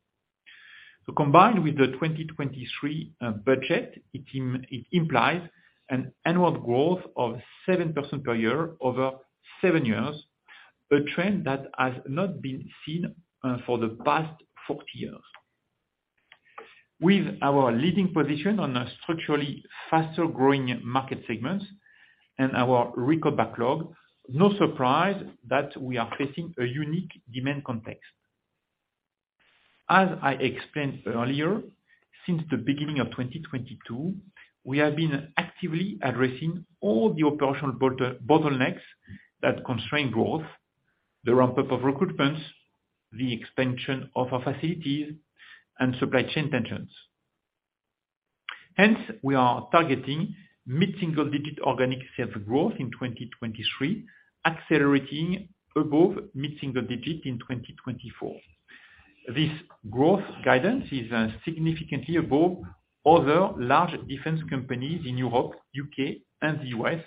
Combined with the 2023 budget, it implies an annual growth of 7% per year over 7 years, a trend that has not been seen for the past 40 years. With our leading position on a structurally faster-growing market segments and our record backlog, no surprise that we are facing a unique demand context. As I explained earlier, since the beginning of 2022, we have been actively addressing all the operational bottlenecks that constrain growth, the ramp-up of recruitments, the expansion of our facilities, and supply chain tensions. We are targeting mid-single digit organic sales growth in 2023, accelerating above mid-single digit in 2024. This growth guidance is significantly above other large defense companies in Europe, UK, and the U.S.,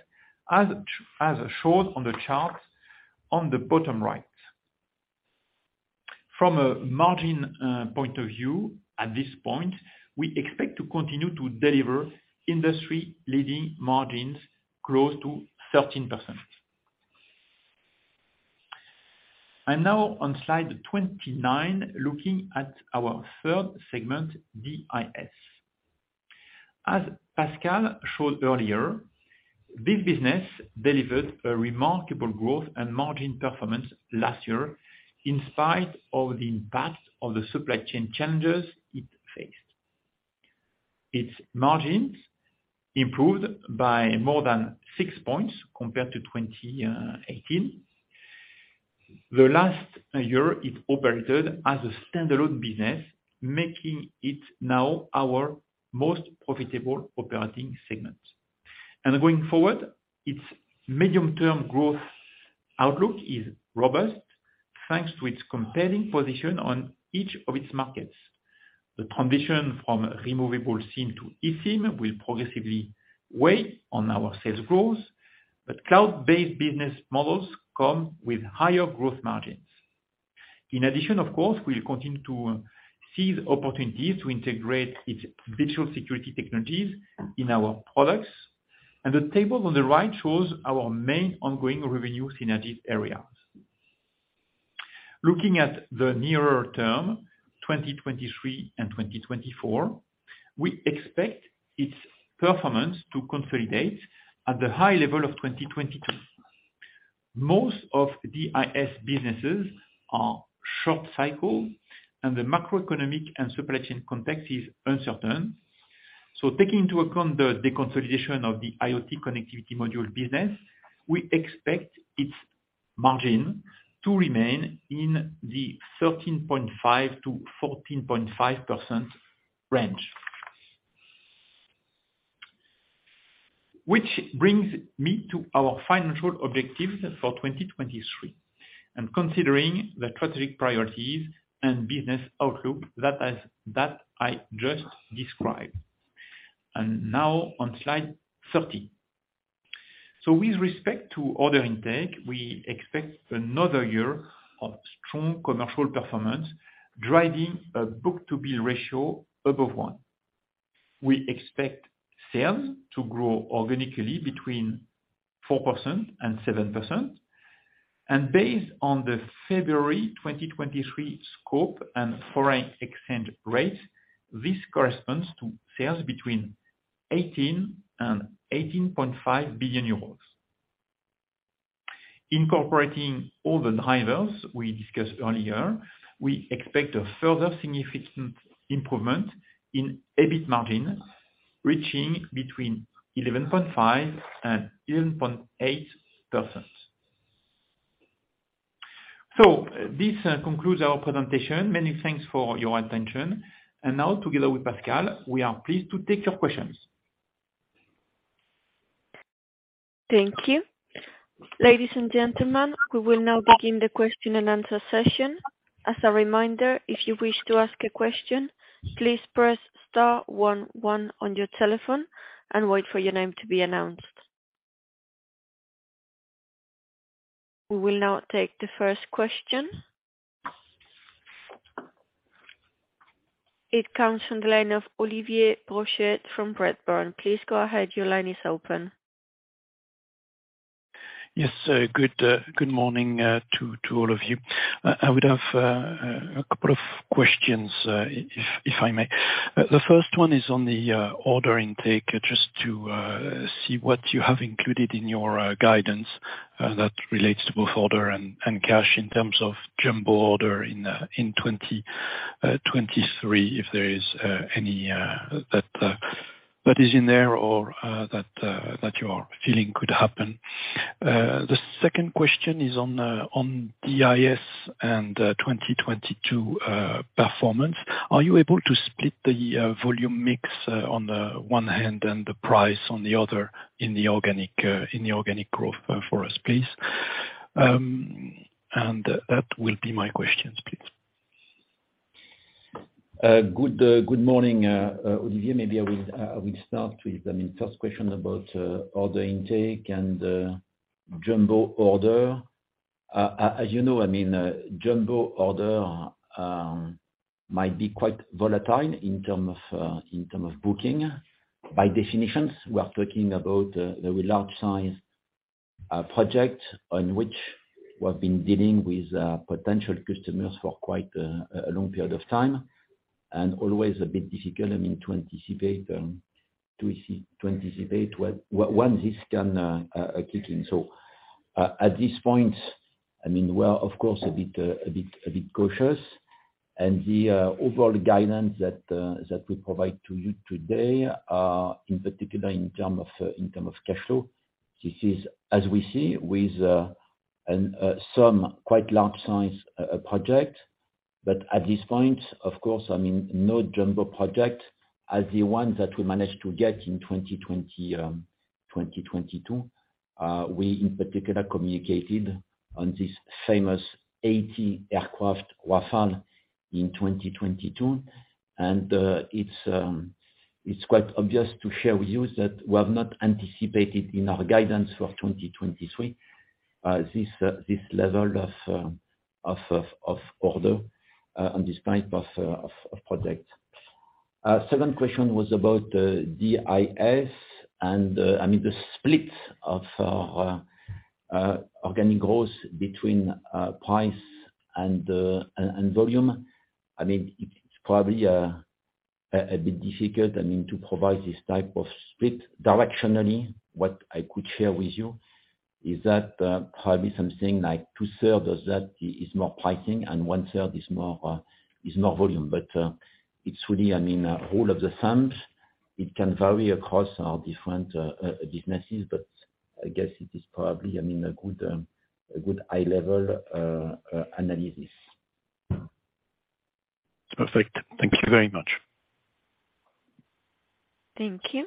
as shown on the charts on the bottom right. From a margin point of view, at this point, we expect to continue to deliver industry-leading margins close to 13%. Now on Slide 29, looking at our third segment, DIS. As Pascal showed earlier, this business delivered a remarkable growth and margin performance last year in spite of the impact of the supply chain challenges it faced. Its margins improved by more than 6 points compared to 2018. The last year it operated as a standalone business, making it now our most profitable operating segment. Going forward, its medium-term growth outlook is robust, thanks to its compelling position on each of its markets. The transition from removable SIM to eSIM will progressively weigh on our sales growth, but cloud-based business models come with higher growth margins. In addition, of course, we'll continue to seize opportunities to integrate its virtual security technologies in our products, and the table on the right shows our main ongoing revenue synergy areas. Looking at the nearer term, 2023 and 2024, we expect its performance to consolidate at the high level of 2022. Most of DIS businesses are short cycle and the macroeconomic and supply chain context is uncertain. Taking into account the deconsolidation of the IoT connectivity module business, we expect its margin to remain in the 13.5%-14.5% range. Which brings me to our financial objectives for 2023, and considering the strategic priorities and business outlook that I just described. Now on Slide 30. With respect to order intake, we expect another year of strong commercial performance, driving a book-to-bill ratio above one. We expect sales to grow organically between 4% and 7%. Based on the February 2023 scope and foreign exchange rate, this corresponds to sales between 18 billion and 18.5 billion euros. Incorporating all the drivers we discussed earlier, we expect a further significant improvement in EBIT margin, reaching between 11.5% and 11.8%. This concludes our presentation. Many thanks for your attention. Now, together with Pascal, we are pleased to take your questions. Thank you. Ladies and gentlemen, we will now begin the question and answer session. As a reminder, if you wish to ask a question, please press star one one on your telephone and wait for your name to be announced. We will now take the first question. It comes from the line of Olivier Brochet from Redburn. Please go ahead. Your line is open. Yes, sir. Good morning to all of you. I would have a couple of questions if I may. The first one is on the order intake, just to see what you have included in your guidance that relates to both order and cash in terms of jumbo order in 2023, if there is any that is in there or that you are feeling could happen. The second question is on DIS and 2022 performance. Are you able to split the volume mix on the one hand and the price on the other in the organic growth for us, please? That will be my questions, please. Good morning, Olivier. Maybe I will start with, I mean, first question about order intake and jumbo order. As you know, I mean, jumbo order might be quite volatile in term of booking. By definition, we are talking about the large size project on which we've been dealing with potential customers for quite a long period of time, and always a bit difficult, I mean, to anticipate when this can kick in. At this point, I mean, we're of course a bit cautious. The overall guidance that we provide to you today, in particular in term of cash flow, this is as we see with some quite large size project. At this point, of course, I mean, no jumbo project as the one that we managed to get in 2022. We in particular communicated on this famous 80 aircraft Rafale in 2022. It's quite obvious to share with you that we have not anticipated in our guidance for 2023, this level of order, and despite of project. Second question was about DIS and, I mean, the split of organic growth between price and volume. I mean, it's probably a bit difficult, I mean, to provide this type of split directionally. What I could share with you is that, probably something like two-third of that is more pricing and one-third is more, is more volume. It's really, I mean, rule of the thumbs. It can vary across our different businesses, but I guess it is probably, I mean, a good, a good high level analysis. Perfect. Thank you very much. Thank you.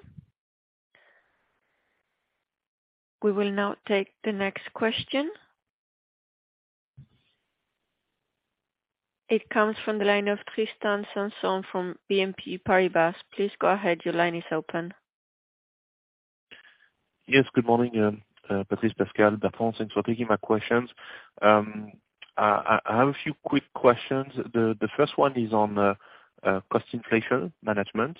We will now take the next question. It comes from the line of Tristan Sanson from BNP Paribas. Please go ahead. Your line is open. Yes, good morning, Patrice, Pascal, thanks for taking my questions. I have a few quick questions. The first one is on cost inflation management.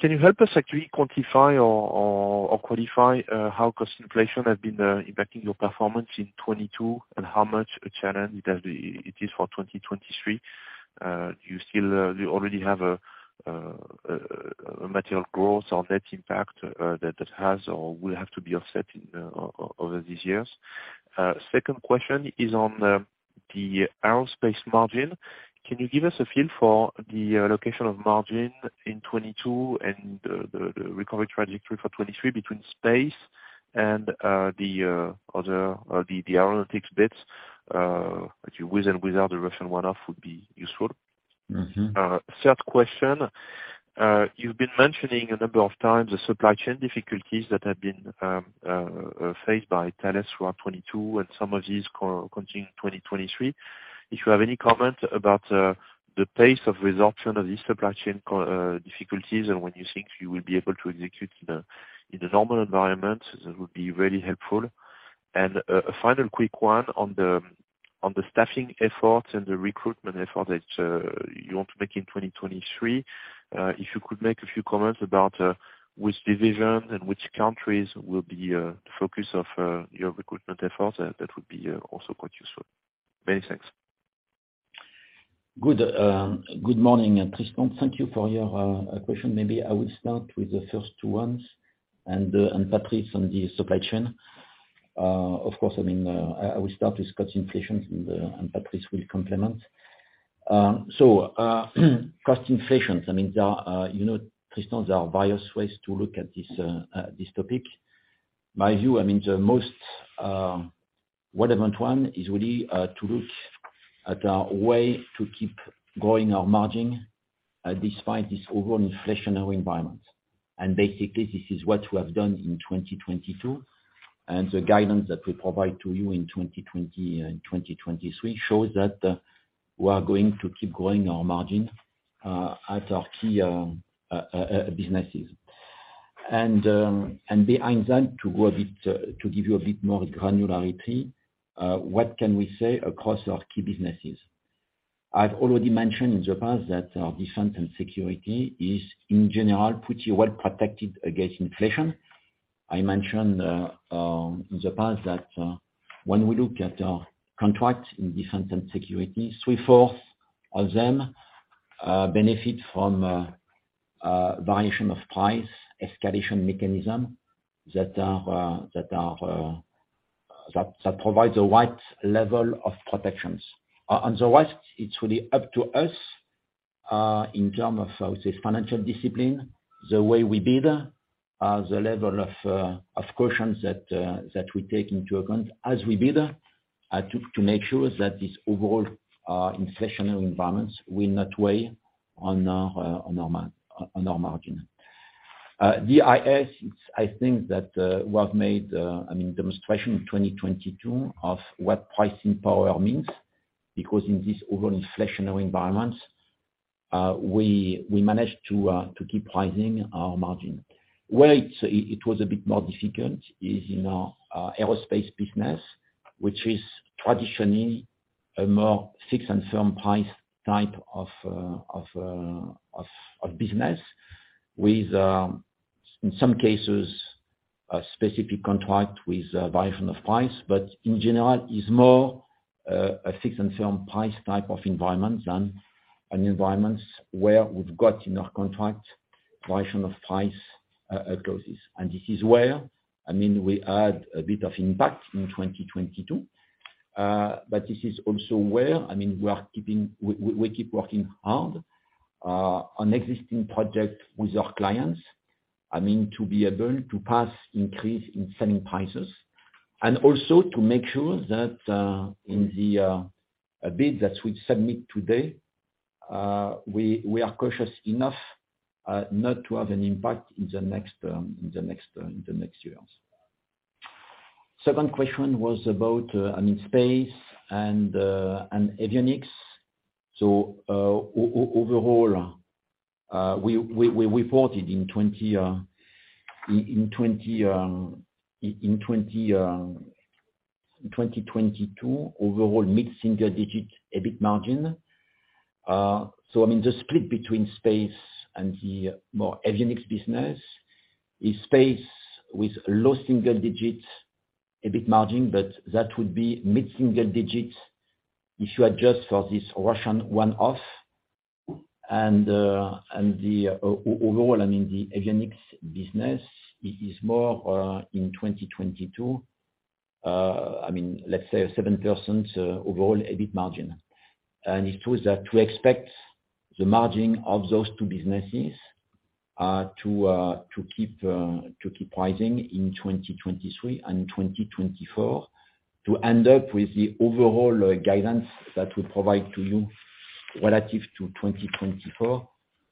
Can you help us actually quantify or quantify how cost inflation has been impacting your performance in 2022, and how much a challenge it is for 2023? Do you already have a material growth or net impact that has or will have to be offset over these years? Second question is on the aerospace margin. Can you give us a feel for the location of margin in 2022 and the recovery trajectory for 2023 between space and the other the analytics bits with and without the Russian one-off would be useful. Mm-hmm. Third question. You've been mentioning a number of times the supply chain difficulties that have been faced by Thales throughout 2022 and some of these continue in 2023. If you have any comment about the pace of resolution of the supply chain difficulties and when you think you will be able to execute in a normal environment, that would be really helpful. A final quick one on the staffing efforts and the recruitment effort that you want to make in 2023. If you could make a few comments about which division and which countries will be the focus of your recruitment efforts, that would be also quite useful. Many thanks. Good morning, Tristan. Thank you for your question. Maybe I will start with the first two ones and Patrice on the supply chain. Of course, I mean, I will start with cost inflation and Patrice will complement. Cost inflations, I mean, there are, you know, Tristan, there are various ways to look at this topic. My view, I mean, the most relevant one is really to look at our way to keep growing our margin despite this overall inflationary environment. Basically, this is what we have done in 2022. The guidance that we provide to you in 2020 and 2023 shows that we are going to keep growing our margin at our key businesses. Behind that, to give you a bit more granularity, what can we say across our key businesses? I've already mentioned in the past that our defense and security is, in general, pretty well protected against inflation. I mentioned in the past that when we look at our contracts in defense and security, three-fourths of them benefit from a variation of price escalation mechanism that provides the right level of protections. On the right, it's really up to us, in terms of financial discipline, the way we bid, the level of cautions that we take into account as we bid, to make sure that this overall inflationary environment will not weigh on our margin. The DIS, I think that, what made, I mean, demonstration of 2022 of what pricing power means. In this overall inflationary environment, we managed to keep pricing our margin. Where it was a bit more difficult is in our aerospace business, which is traditionally a more fixed and firm price type of business with in some cases, a specific contract with a variation of price. In general it's more a fixed and firm price type of environment than an environment where we've got in our contract variation of price clauses. This is where, I mean, we had a bit of impact in 2022. This is also where, I mean, we keep working hard on existing projects with our clients, I mean, to be able to pass increase in selling prices, and also to make sure that in the bid that we submit today, we are cautious enough not to have an impact in the next years. Second question was about, I mean, space and avionics. We reported in 2022 overall mid-single digit EBIT margin. I mean, the split between space and the more Avionics business is space with low single digits EBIT margin, but that would be mid-single digits if you adjust for this Russian one-off. Overall, I mean, the Avionics business is more in 2022, I mean, let's say 7% overall EBIT margin. It's true that we expect the margin of those two businesses to keep rising in 2023 and 2024, to end up with the overall guidance that we provide to you relative to 2024,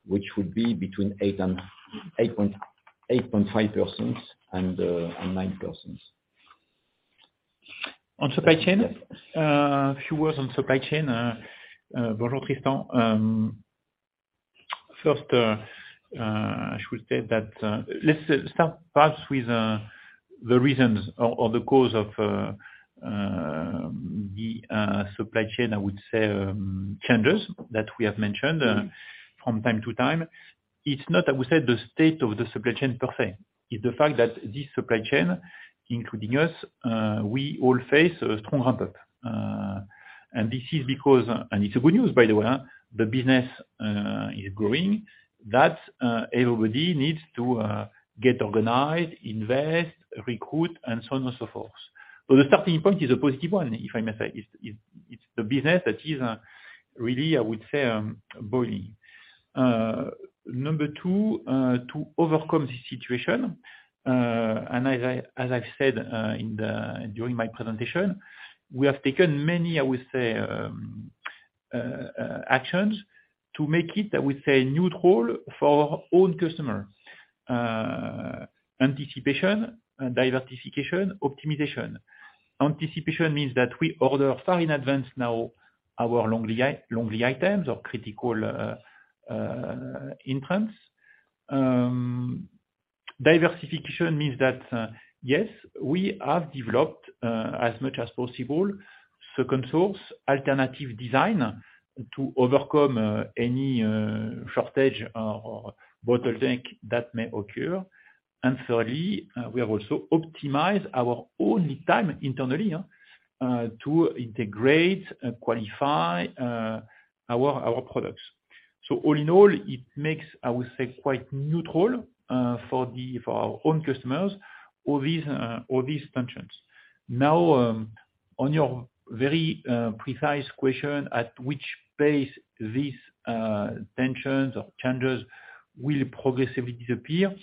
which would be between 8% and 8.5% and 9%. On supply chain, a few words on supply chain, Bruno, Tristan. First, I should say that, let's start perhaps with the reasons or the cause of the supply chain, I would say, changes that we have mentioned from time to time. It's not that we said the state of the supply chain per se. It's the fact that this supply chain, including us, we all face a strong headwind. This is because, and it's a good news by the way, huh, the business is growing. That everybody needs to get organized, invest, recruit, and so on and so forth. The starting point is a positive one, if I may say. It's, it's the business that is really, I would say, booming. Number 2, to overcome the situation, as I've said during my presentation, we have taken many, I would say, actions to make it, I would say, neutral for own customer. Anticipation, diversification, optimization. Anticipation means that we order far in advance now our long lead items or critical implants. Diversification means that, yes, we have developed as much as possible second source alternative design to overcome any shortage or bottleneck that may occur. Thirdly, we have also optimized our own lead time internally to integrate and qualify our products. All in all, it makes, I would say, quite neutral for the, for our own customers, all these tensions. Now, on your very precise question, at which pace these tensions or changes will progressively disappear,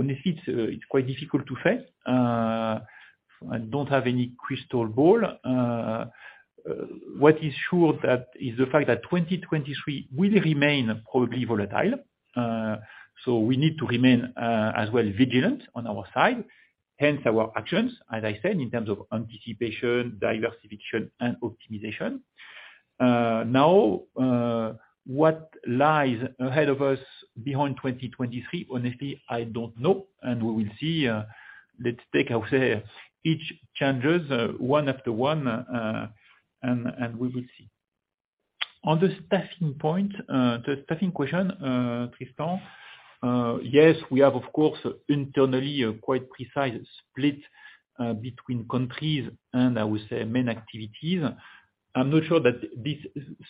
honestly, it's quite difficult to say. I don't have any crystal ball. What is sure that is the fact that 2023 will remain probably volatile. We need to remain as well vigilant on our side, hence our actions, as I said, in terms of anticipation, diversification and optimization. What lies ahead of us beyond 2023, honestly, I don't know, and we will see. Let's take, I would say, each challenges one after one, and we will see. On the staffing point, the staffing question, Tristan, yes, we have of course, internally a quite precise split between countries and I would say main activities. I'm not sure that this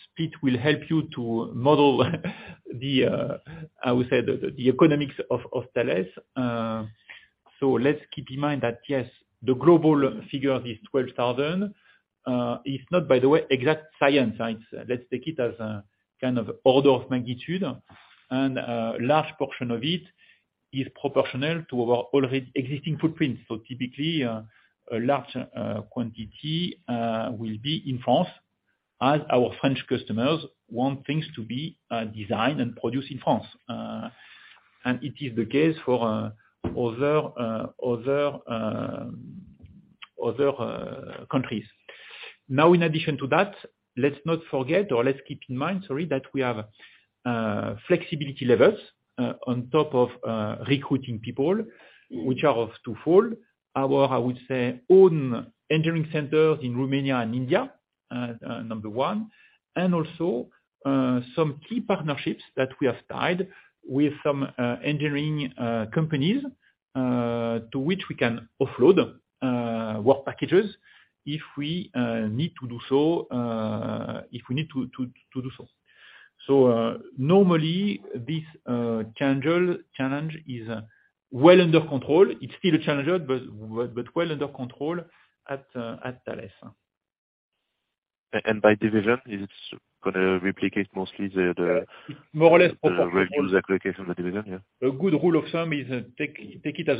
split will help you to model the, I would say the economics of Thales. Let's keep in mind that, yes, the global figure is 12,000. It's not, by the way, exact science. It's, let's take it as a kind of order of magnitude. Large portion of it is proportional to our already existing footprint. Typically, a large quantity will be in France as our French customers want things to be designed and produced in France. It is the case for other, other countries. Now, in addition to that, let's not forget or let's keep in mind, sorry, that we have flexibility levels on top of recruiting people, which are of twofold. Our, I would say, own engineering centers in Romania and India, number 1, and also some key partnerships that we have tied with some engineering companies, to which we can offload work packages if we need to do so. Normally this challenge is well under control. It's still a challenge, but well under control at Thales. By division, it's gonna replicate mostly the. More or less proportional. The revenues allocation of the division. A good rule of thumb is take it as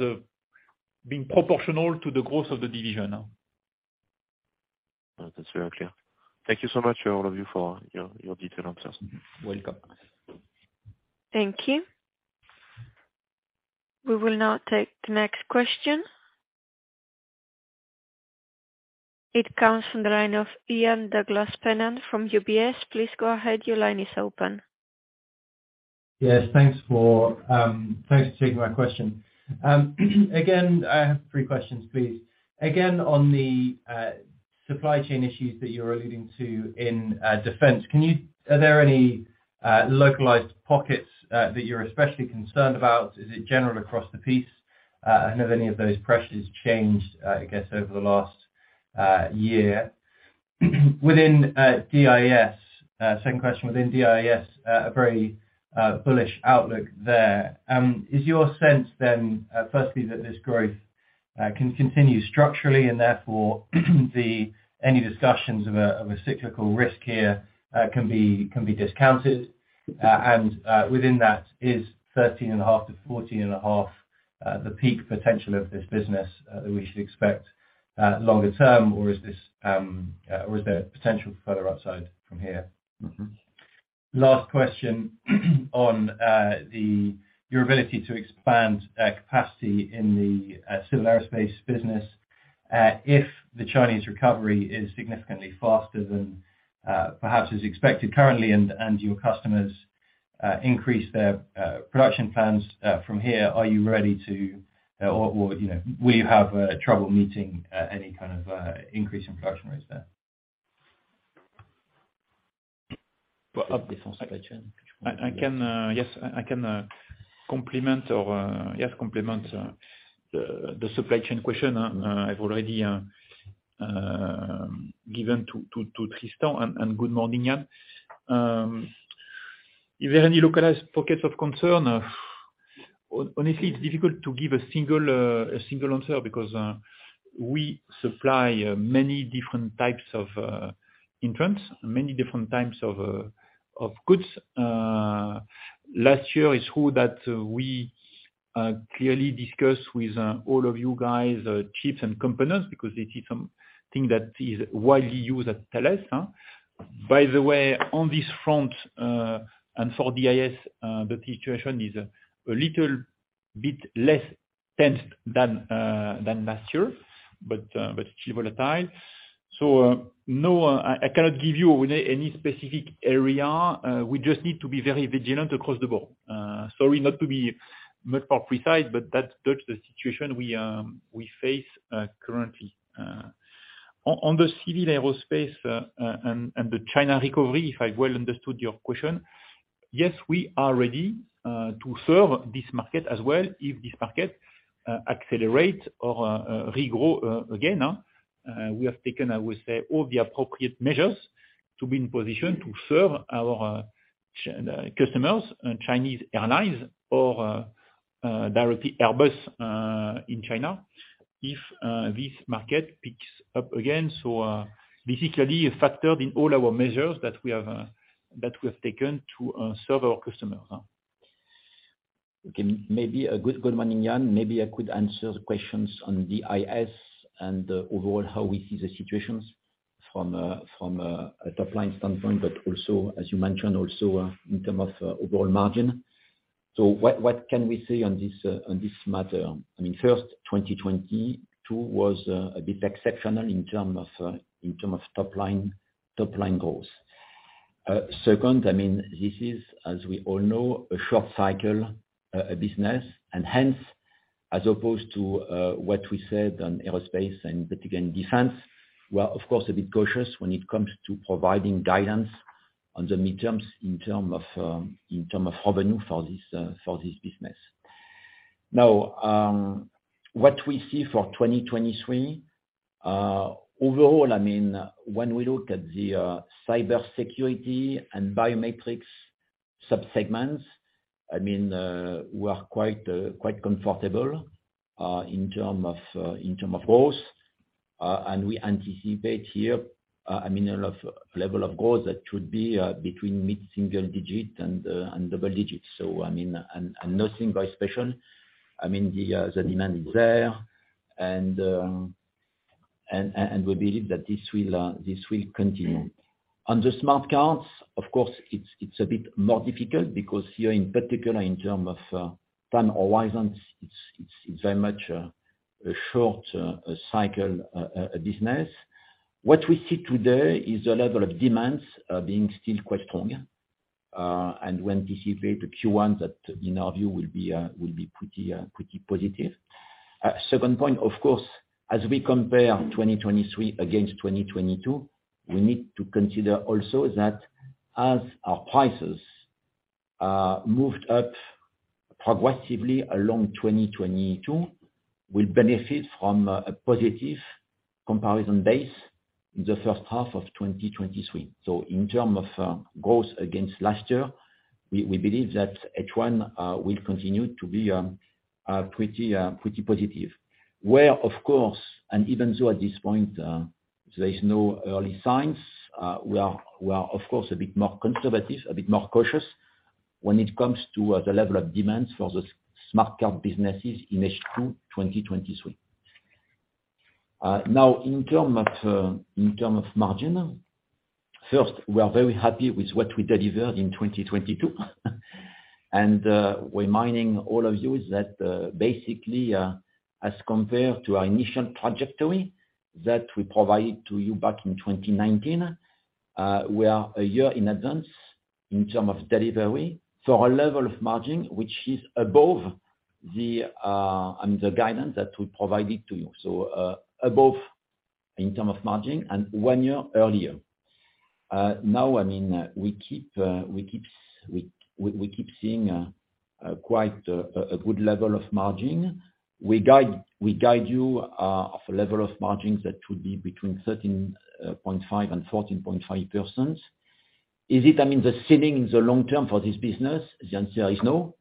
being proportional to the growth of the division. That's very clear. Thank you so much all of you for your detailed answers. Welcome. Thank you. We will now take the next question. It comes from the line of Ian Douglas-Pennant from UBS. Please go ahead. Your line is open. Yes, thanks for, thanks for taking my question. Again, I have three questions, please. Again, on the supply chain issues that you're alluding to in defense, are there any localized pockets that you're especially concerned about? Is it general across the piece? Have any of those pressures changed, I guess over the last year? Within DIS, same question within DIS, a very bullish outlook there. Is your sense then, firstly that this growth can continue structurally and therefore, any discussions of a cyclical risk here, can be discounted? Within that is 13.5 to 14.5, the peak potential of this business, that we should expect longer term or is this, or is there potential for further upside from here? Mm-hmm. Last question on your ability to expand capacity in the civil aerospace business. If the Chinese recovery is significantly faster than perhaps is expected currently and your customers increase their production plans from here, are you ready to or, you know, will you have trouble meeting any kind of increase in production rates there? Of the supply chain. I can, yes, I can complement or, yes, complement the supply chain question. I've already given to Tristan and good morning, Ian. Is there any localized pockets of concern? Honestly, it's difficult to give a single answer because we supply many different types of insurance, many different types of goods. Last year is true that we clearly discussed with all of you guys, chips and components because this is something that is widely used at Thales. By the way, on this front, and for DIS, the situation is a little bit less tense than last year, but still volatile. No, I cannot give you any specific area. We just need to be very vigilant across the board. Sorry, not to be much more precise, but that's the situation we face currently. On the civil aerospace and the China recovery, if I well understood your question, yes, we are ready to serve this market as well if this market accelerates or regrow again. We have taken, I would say, all the appropriate measures to be in position to serve our customers and Chinese airlines or directly Airbus in China if this market picks up again. Basically factored in all our measures that we have that we have taken to serve our customers. Okay, maybe a good morning, Ian. Maybe I could answer the questions on DIS and overall how we see the situations from a top-line standpoint, but also, as you mentioned, also, in term of, overall margin. What can we say on this matter? I mean, first, 2022 was a bit exceptional in term of, in term of top line goals. Second, I mean, this is, as we all know, a short cycle business and, hence, as opposed to what we said on aerospace and particularly in defense, we are, of course, a bit cautious when it comes to providing guidance on the midterms in term of, in term of revenue for this business. Now, what we see for 2023, overall, I mean, when we look at the cybersecurity and biometrics sub-segments, I mean, we are quite comfortable in term of in term of growth. We anticipate here, I mean, a level of growth that should be between mid-single digit and double digits. I mean, nothing very special. I mean, the demand is there, and we believe that this will continue. On the smart cards, of course, it's a bit more difficult because here, in particular, in term of time horizons, it's very much a short-cycle business. What we see today is the level of demands being still quite strong. When anticipate the Q1 that in our view will be pretty positive. Second point, of course, as we compare 2023 against 2022, we need to consider also that as our prices moved up progressively along 2022, we benefit from a positive comparison base in the first half of 2023. In terms of growth against last year, we believe that H1 will continue to be pretty positive. Where, of course, and even though at this point, there is no early signs, we are of course a bit more conservative, a bit more cautious when it comes to the level of demands for the smart card businesses in H2 2023. Now in terms of, in terms of margin, first, we are very happy with what we delivered in 2022. Reminding all of you that basically, as compared to our initial trajectory that we provided to you back in 2019, we are a year in advance in terms of delivery. Our level of margin, which is above the, and the guidance that we provided to you, above in terms of margin and one year earlier. Now, I mean, we keep seeing quite a good level of margin. We guide you of a level of margins that should be between 13.5% and 14.5%. Is it, I mean, the ceiling in the long term for this business? The answer is no.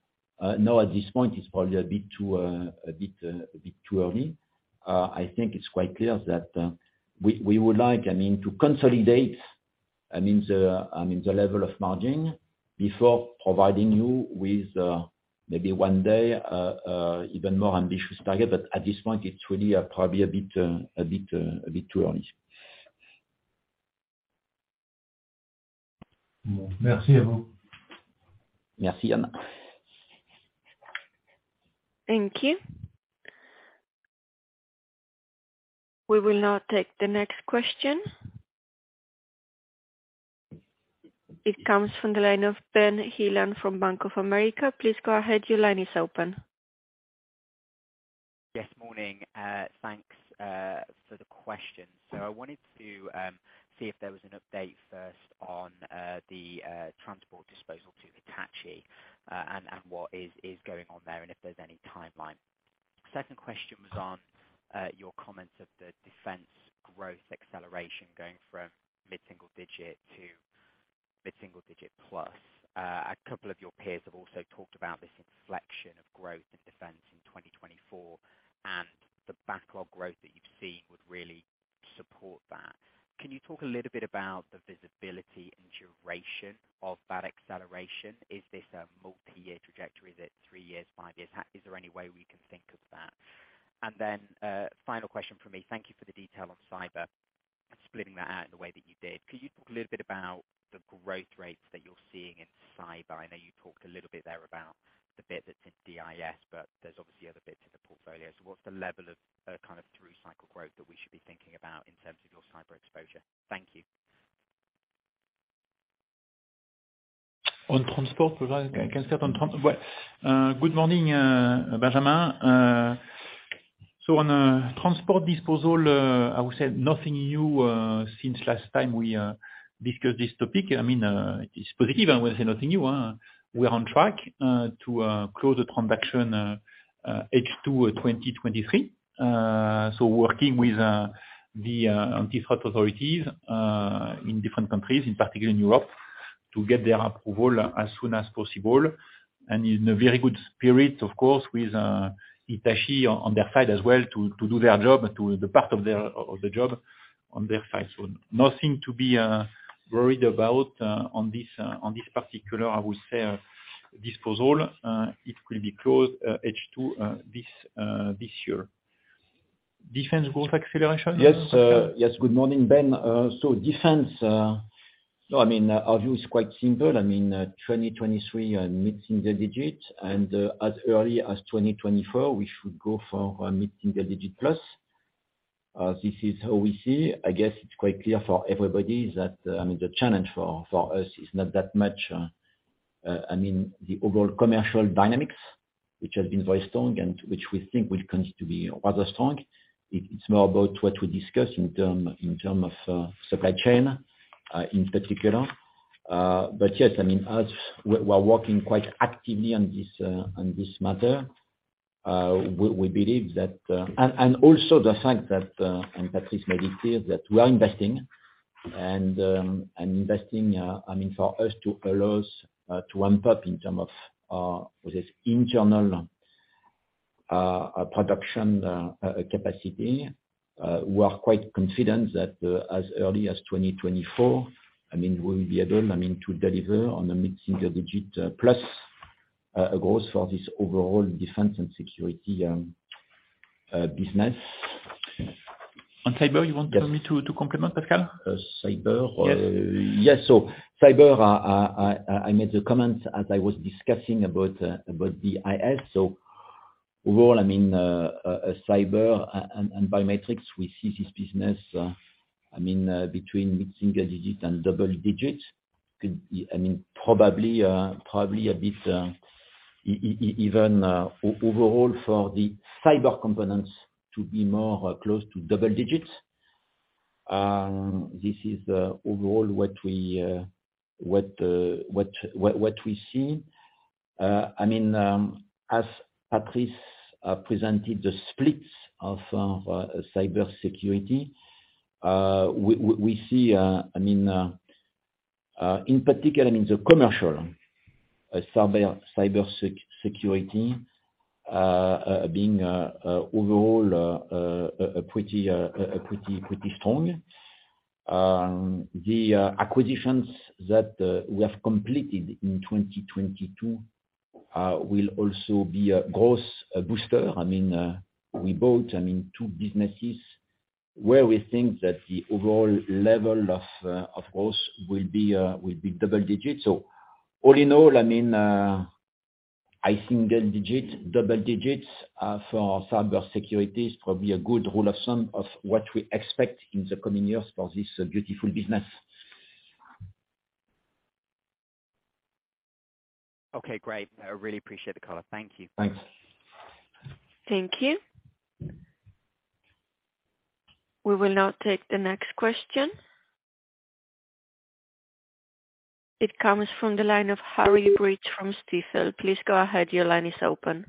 No, at this point, it's probably a bit too early. I think it's quite clear that we would like, I mean, to consolidate the level of margin before providing you with maybe one day even more ambitious target. But at this point, it's really, probably a bit too early. Merci à vous. Merci. Thank you. We will now take the next question. It comes from the line of Ben Heelan from Bank of America. Please go ahead. Your line is open. Yes, morning. Thanks for the question. I wanted to see if there was an update first on the transport disposal to Hitachi, and what is going on there, and if there's any timeline. Second question was on your comments of the defense growth acceleration going from mid-single digit to mid-single digit plus. A couple of your peers have also talked about this inflection of growth in defense in 2024, and the backlog growth that you've seen would really support that. Can you talk a little bit about the visibility and duration of that acceleration? Is this a multi-year trajectory? Is it 3 years, 5 years? Is there any way we can think of that? Final question from me. Thank you for the detail on cyber, splitting that out in the way that you did. Could you talk a little bit about the growth rates that you're seeing in cyber? I know you talked a little bit there about the bit that's in DIS, but there's obviously other bits in the portfolio. What's the level of kind of through cycle growth that we should be thinking about in terms of your cyber exposure? Thank you. On transport, perhaps I can start. Well, good morning, Benjamin. On transport disposal, I would say nothing new since last time we discussed this topic. I mean, it's positive and we'll say nothing new. We are on track to close the transaction H2 2023. Working with the antitrust authorities in different countries, in particular in Europe, to get their approval as soon as possible, and in a very good spirit, of course, with Hitachi on their side as well to do their job and to do the part of the job on their side. Nothing to be worried about on this on this particular, I would say, disposal. It will be closed, H2, this year. Defense growth acceleration? Yes, yes. Good morning, Ben. Defense, so I mean, our view is quite simple. I mean, 2023 and mid-single digit and, as early as 2024, we should go for a mid-single digit plus. This is how we see. I guess it's quite clear for everybody that, the challenge for us is not that much, I mean, the overall commercial dynamics, which have been very strong and which we think will continue to be rather strong. It's more about what we discuss in term of supply chain, in particular. Yes, I mean, as we're working quite actively on this matter, we believe that... Also the fact that, and Patrice made it clear that we are investing and investing, I mean, for us to allow us to ramp up in term of with this internal production capacity. We are quite confident that, as early as 2024, I mean, we will be able, I mean, to deliver on the mid-single digit plus a growth for this overall defense and security business. On cyber, you want me to complement, Pascal? Cyber? Yes. Yes. Cyber, I made the comments as I was discussing about the DIS. Overall, I mean, cyber and biometrics, we see this business, I mean, between mid-single digit and double digit. Could be, I mean, probably a bit even overall for the cyber components to be more close to double digits. This is overall what we see. I mean, as Patrice presented the splits of cybersecurity, we see, I mean, in particular in the commercial cybersecurity, being overall pretty strong. The acquisitions that we have completed in 2022 will also be a growth booster. I mean, we bought two businesses where we think that the overall level of growth will be double digits. All in all, high single digit, double digits, for our cybersecurity is probably a good rule of thumb of what we expect in the coming years for this beautiful business. Okay, great. I really appreciate the color. Thank you. Thanks. Thank you. We will now take the next question. It comes from the line of Harry Breach from Stifel. Please go ahead. Your line is open.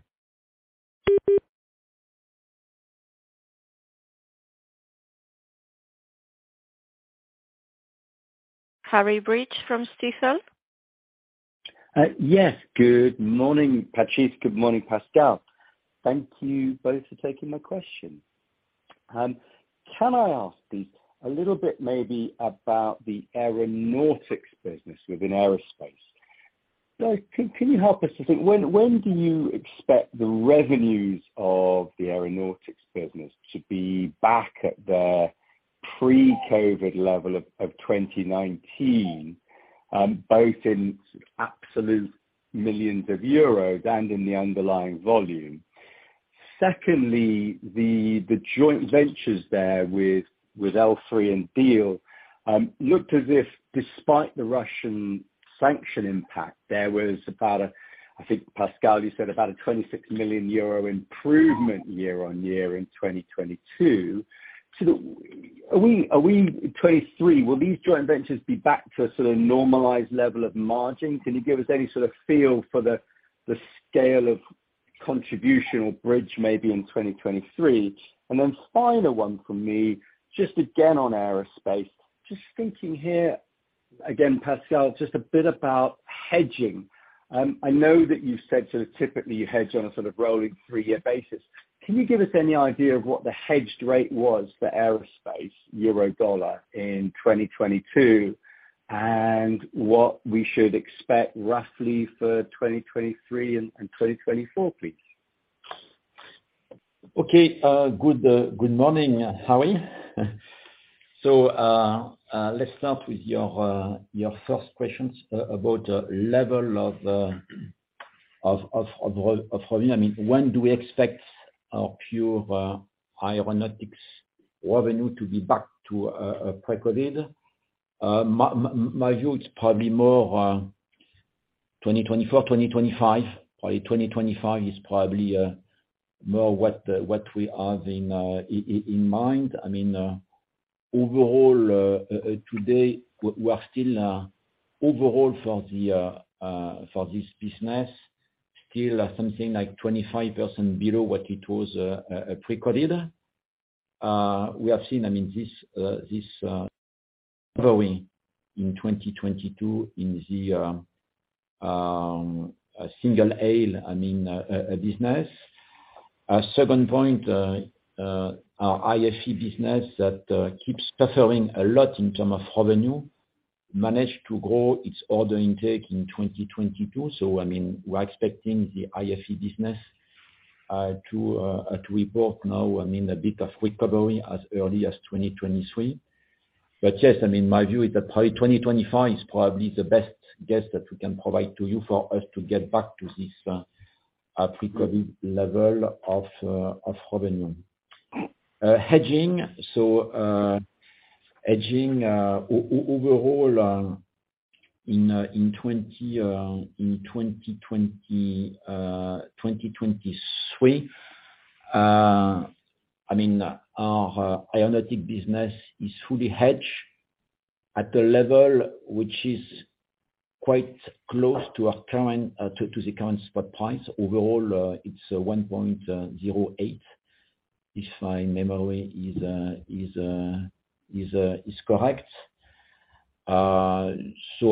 Harry Breach from Stifel? Yes. Good morning, Patrice. Good morning, Pascal. Thank you both for taking my question. Can I ask, please, a little bit maybe about the aeronautics business within aerospace? Can you help us to think when do you expect the revenues of the aeronautics business to be back at the pre-COVID level of 2019, both in absolute millions of euros and in the underlying volume? Secondly, the joint ventures there with L3Harris and Diehl looked as if despite the Russian sanction impact, there was about a, I think, Pascal, you said about a 26 million euro improvement year-on-year in 2022. Are we in 2023, will these joint ventures be back to a sort of normalized level of margin? Can you give us any sort of feel for the scale of contribution or bridge maybe in 2023? Final one from me, just again on aerospace. Just thinking here, again, Pascal, just a bit about hedging. I know that you said sort of typically you hedge on a sort of rolling three-year basis. Can you give us any idea of what the hedged rate was for aerospace euro dollar in 2022 and what we should expect roughly for 2023 and 2024, please? Okay. Good morning, Harry. Let's start with your first questions about level of, I mean, when do we expect our pure aeronautics revenue to be back to pre-COVID? My view, it's probably more 2024, 2025. Probably 2025 is probably more what we have in mind. I mean, overall, today, we are still overall for this business, still something like 25% below what it was pre-COVID. We have seen, I mean, this, probably in 2022 in the single aisle, I mean, business. Second point, our IFC business that keeps suffering a lot in term of revenue. Managed to grow its order intake in 2022. I mean, we're expecting the IFE business to report now, I mean, a bit of recovery as early as 2023. Yes, I mean, my view is that probably 2025 is probably the best guess that we can provide to you for us to get back to this pre-COVID level of revenue. Hedging. Hedging overall, in 2023, I mean our aeronautics business is fully hedged at a level which is quite close to our current to the current spot price. Overall, it's 1.08, if my memory is correct. I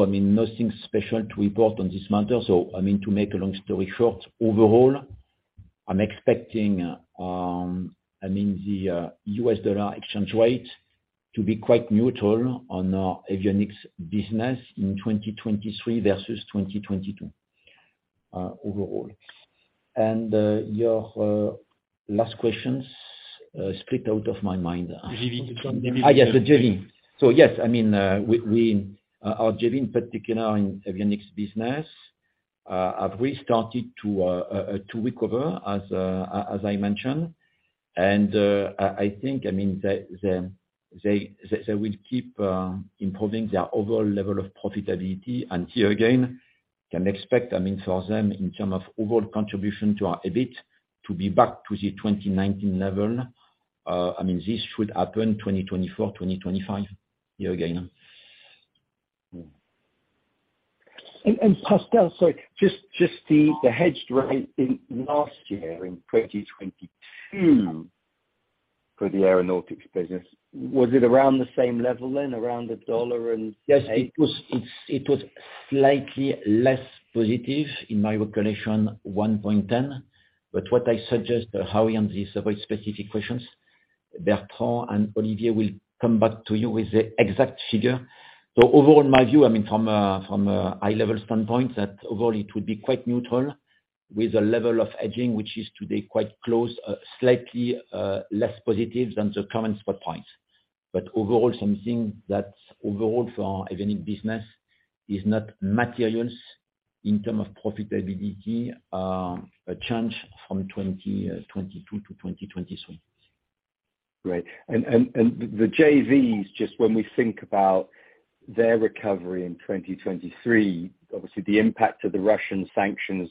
mean, nothing special to report on this matter. I mean, to make a long story short, overall I'm expecting, I mean the US dollar exchange rate to be quite neutral on our avionics business in 2023 versus 2022 overall. Your last questions slipped out of my mind. The JV company. Yes, the JV. Yes, I mean, we, our JV in particular in avionics business have restarted to recover as I mentioned. I think, I mean, they will keep improving their overall level of profitability. Here again, can expect, I mean, for them in term of overall contribution to our EBIT to be back to the 2019 level. I mean, this should happen 2024, 2025. Here again. Pascal, sorry, just the hedged rate in last year in 2022 for the aeronautics business, was it around the same level then, around $1.08? Yes. It was slightly less positive in my recollection, 1.10. What I suggest, Harry, on these very specific questions, Bertrand and Olivier will come back to you with the exact figure. Overall, my view, I mean from a, from a high level standpoint, that overall it would be quite neutral with the level of hedging, which is today quite close, slightly less positive than the current spot price. Overall, something that overall for our Avionics business is not materials in term of profitability, a change from 2022 to 2023. Great. The JVs, just when we think about their recovery in 2023, obviously the impact of the Russian sanctions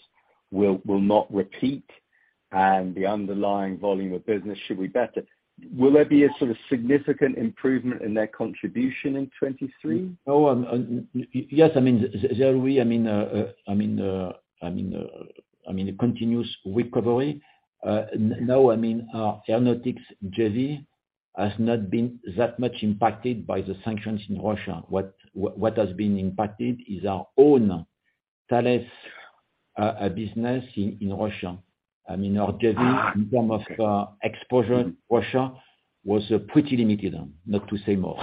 will not repeat and the underlying volume of business should be better. Will there be a sort of significant improvement in their contribution in 2023? Yes, I mean, there will be a continuous recovery. No, I mean, our aeronautics JV has not been that much impacted by the sanctions in Russia. What has been impacted is our own Thales business in Russia. Okay. In term of, exposure in Russia was, pretty limited, not to say more.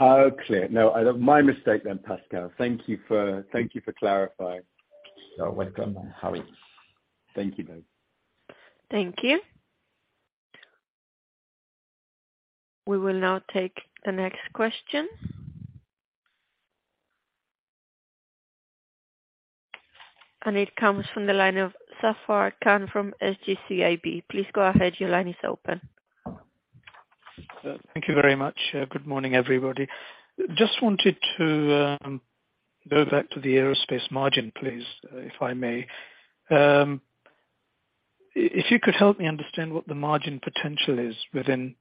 Oh, clear. No, my mistake then, Pascal. Thank you for clarifying. You are welcome, Harry. Thank you. Thank you. We will now take the next question. It comes from the line of Zafar Khan from SG CIB. Please go ahead. Your line is open. Thank you very much. Good morning, everybody. Just wanted to go back to the aerospace margin, please, if I may. If you could help me understand what the margin potential is within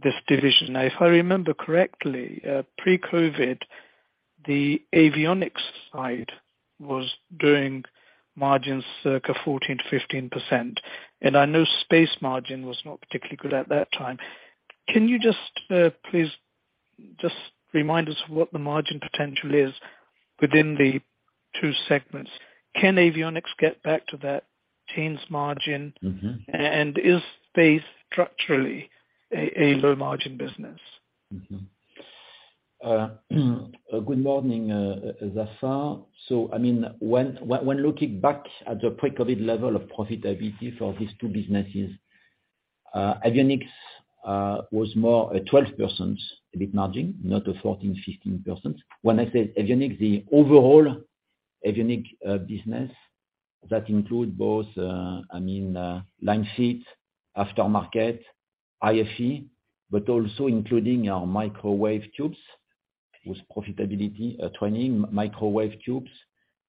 this division. If I remember correctly, pre-COVID, the avionics side was doing margins circa 14%-15%, and I know space margin was not particularly good at that time. Can you just please remind us of what the margin potential is within the two segments? Can avionics get back to that teens margin? Mm-hmm. Is space structurally a low margin business? Good morning, Zafar. I mean, when looking back at the pre-COVID level of profitability for these two businesses, avionics was more at 12% EBIT margin, not a 14%, 15%. When I say avionics, the overall avionic business that include both, I mean, line fit, aftermarket, IFE, but also including our microwave tubes with profitability, turning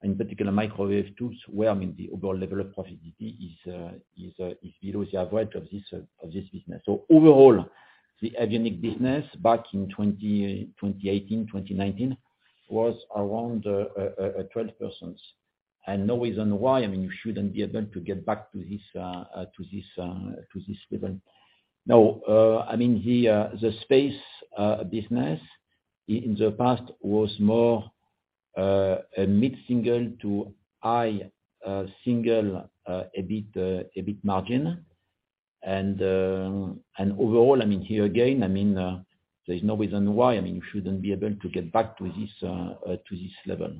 in particular microwave tubes, where, I mean, the overall level of profitability is below the average of this business. Overall, the avionic business back in 2018, 2019 was around 12%. No reason why, I mean, you shouldn't be able to get back to this level. The space business in the past was more a mid-single to high single EBIT margin. Overall, there's no reason why you shouldn't be able to get back to this level.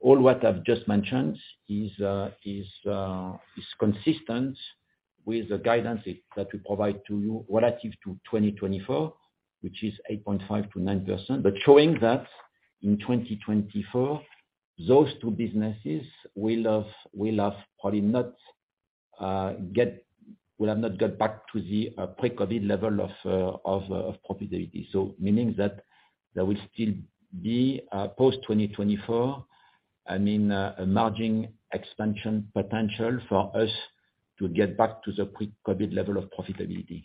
All what I've just mentioned is consistent with the guidance that we provide to you relative to 2024, which is 8.5%-9%. Showing that in 2024, those two businesses will have probably not got back to the pre-COVID level of profitability. Meaning that there will still be post-2024 a margin expansion potential for us to get back to the pre-COVID level of profitability.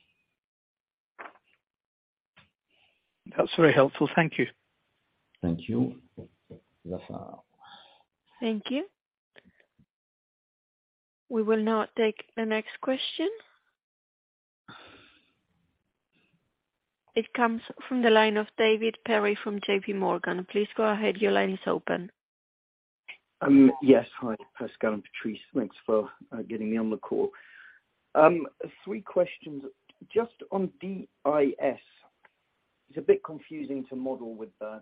That's very helpful. Thank you. Thank you. Zafar. Thank you. We will now take the next question. It comes from the line of David Perry from J.P. Morgan. Please go ahead. Your line is open. Yes. Hi, Pascal and Patrice. Thanks for getting me on the call. Three questions. Just on DIS, it's a bit confusing to model with the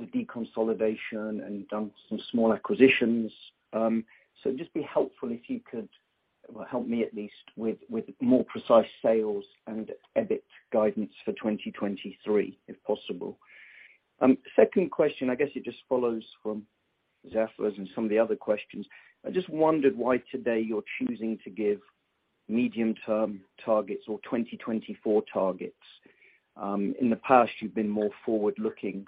deconsolidation and done some small acquisitions. Just be helpful if you could, well, help me at least with more precise sales and EBIT guidance for 2023, if possible. Second question, I guess it just follows from Zafar's and some of the other questions. I just wondered why today you're choosing to give medium-term targets or 2024 targets. In the past you've been more forward-looking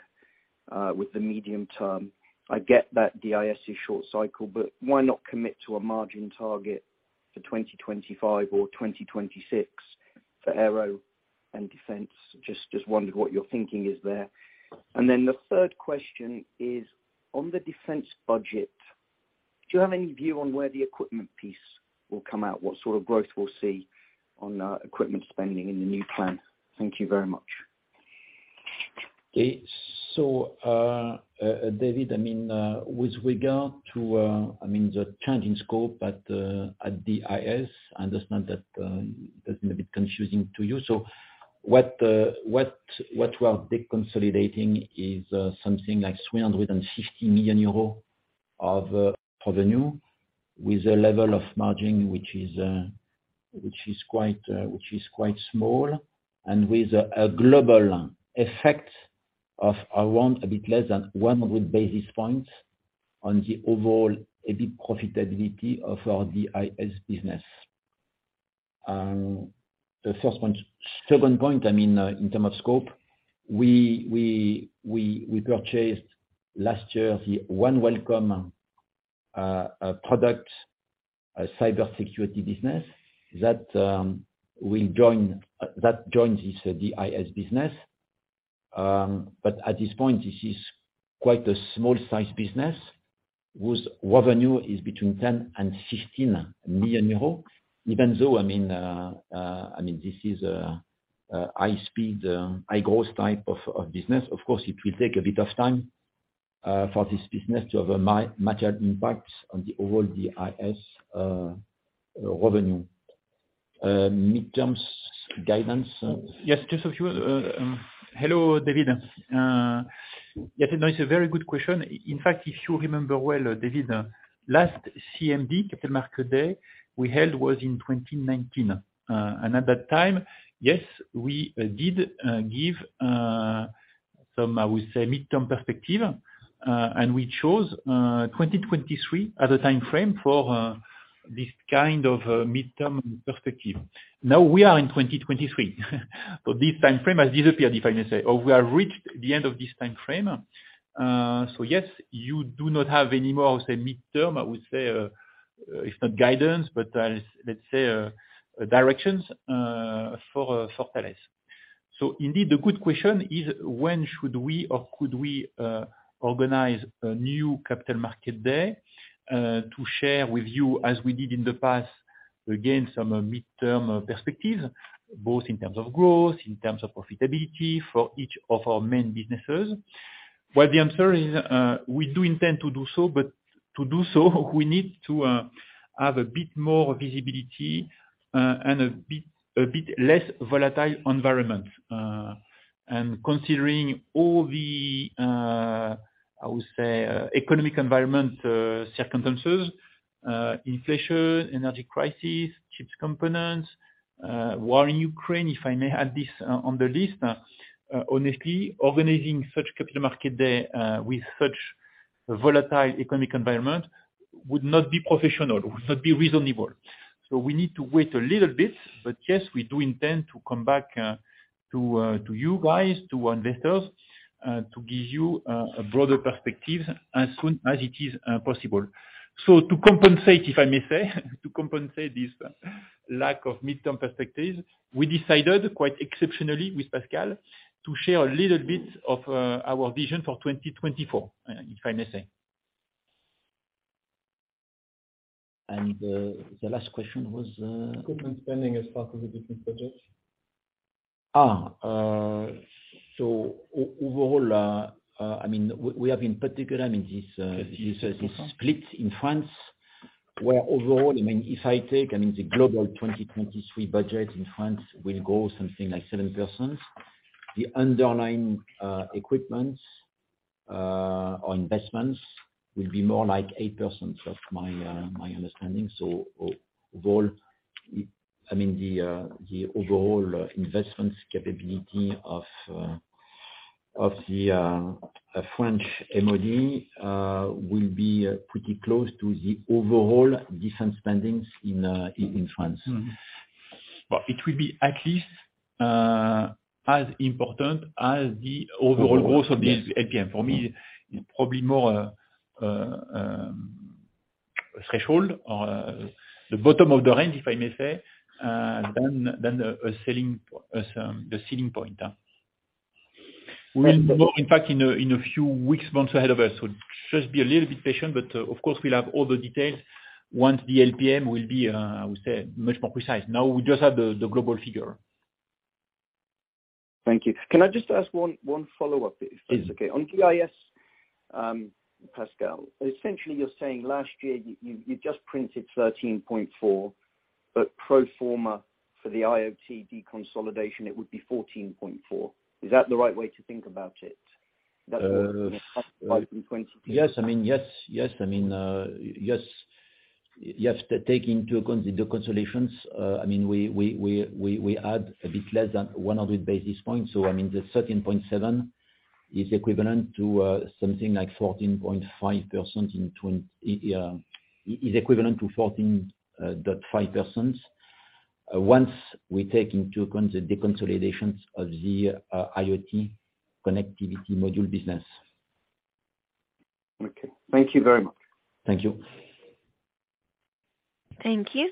with the medium-term. I get that DIS is short cycle, why not commit to a margin target for 2025 or 2026 for aero and defense? Just wondered what your thinking is there. The third question is on the defense budget, do you have any view on where the equipment piece will come out? What sort of growth we'll see on equipment spending in the new plan? Thank you very much. Okay. David, with regard to the change in scope at DIS, I understand that that may be confusing to you. What we are deconsolidating is something like 350 million euros of revenue, with a level of margin, which is quite small. And with a global effect of around a bit less than 100 basis points on the overall EBIT profitability of our DIS business. Second point, in term of scope, we purchased last year, the OneWelcome product, a cybersecurity business that joins this DIS business. At this point, this is quite a small-sized business whose revenue is between 10 million and 15 million euros. Even though, I mean, this is a high speed, high growth type of business. Of course, it will take a bit of time for this business to have a material impact on the overall DIS revenue. Midterms guidance. Yes, just a few. Hello, David. Yeah, no, it's a very good question. In fact, if you remember well, David, last CMD, Capital Markets Day, we held was in 2019. At that time, yes, we did give some, I would say midterm perspective. We chose 2023 as a time frame for this kind of midterm perspective. Now we are in 2023, so this time frame has disappeared, if I may say, or we have reached the end of this time frame. Yes, you do not have any more, say midterm, I would say, if not guidance, but, let's say, directions for Thales. Indeed, the good question is when should we or could we organize a new Capital Markets Day to share with you as we did in the past, again, some midterm perspective, both in terms of growth, in terms of profitability for each of our main businesses. The answer is, we do intend to do so, but to do so we need to have a bit more visibility and a bit less volatile environment. Considering all the, I would say, economic environment circumstances, inflation, energy crisis, chips components, war in Ukraine, if I may add this on the list. Honestly, organizing such Capital Markets Day with such volatile economic environment would not be professional, would not be reasonable. We need to wait a little bit, but yes, we do intend to come back to you guys, to investors, to give you a broader perspective as soon as it is possible. To compensate, if I may say, to compensate this lack of midterm perspectives, we decided quite exceptionally with Pascal to share a little bit of our vision for 2024, if I may say. The last question was. Equipment spending as part of the business project. overall, I mean, we have in particular, I mean, this split in France, where overall, I mean, if I take, I mean, the global 2023 budget in France will grow something like 7%. The underlying equipment or investments will be more like 8%, that's my understanding. overall, I mean, the overall investment capability of the French MOD will be pretty close to the overall defense spendings in France. It will be at least as important as the overall growth of the LPM. For me, probably more a threshold or the bottom of the range, if I may say, than a ceiling, the ceiling point. We'll know in fact in a few weeks, months ahead of us. Just be a little bit patient. Of course, we'll have all the details once the LPM will be, I would say much more precise. Now we just have the global figure. Thank you. Can I just ask 1 follow-up if that's okay? Mm-hmm. On DIS, Pascal, essentially you're saying last year you just printed 13.4, but pro forma for the IoT deconsolidation, it would be 14.4. Is that the right way to think about it? That's Yes. I mean, yes. Yes. I mean, yes. You have to take into the consolidations. I mean, we add a bit less than 100 basis points. I mean, the 13.7 is equivalent to 14.5% once we take into the deconsolidations of the IoT connectivity module business. Okay. Thank you very much. Thank you. Thank you.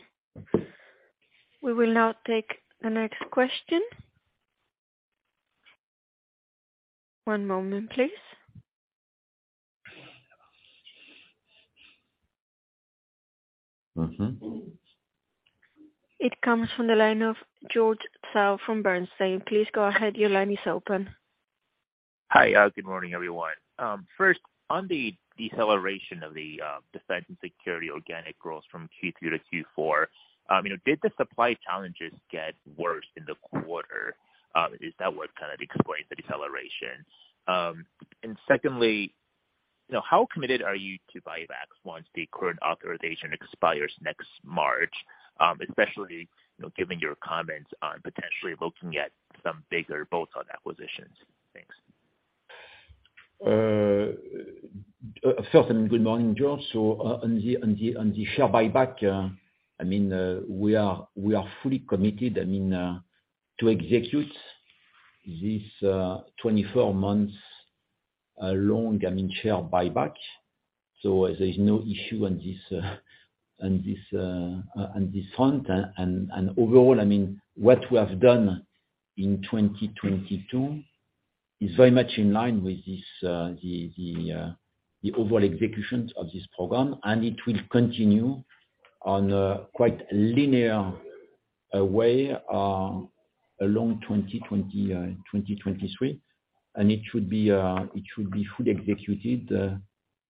We will now take the next question. One moment, please. Mm-hmm. It comes from the line of George Zhao from Bernstein. Please go ahead. Your line is open. Hi. Good morning, everyone. First, on the deceleration of the defense and security organic growth from Q3 to Q4, you know, did the supply challenges get worse in the quarter? Is that what's kind of causing the deceleration? Secondly, you know, how committed are you to buybacks once the current authorization expires next March, especially, you know, given your comments on potentially looking at some bigger, bolder acquisitions? Thanks. First, good morning, George. On the share buyback, I mean, we are fully committed, I mean, to execute this 24 months long, I mean, share buyback. There's no issue on this front. Overall, I mean, what we have done in 2022 is very much in line with the overall execution of this program, and it will continue on a quite linear way along 2023, and it should be fully executed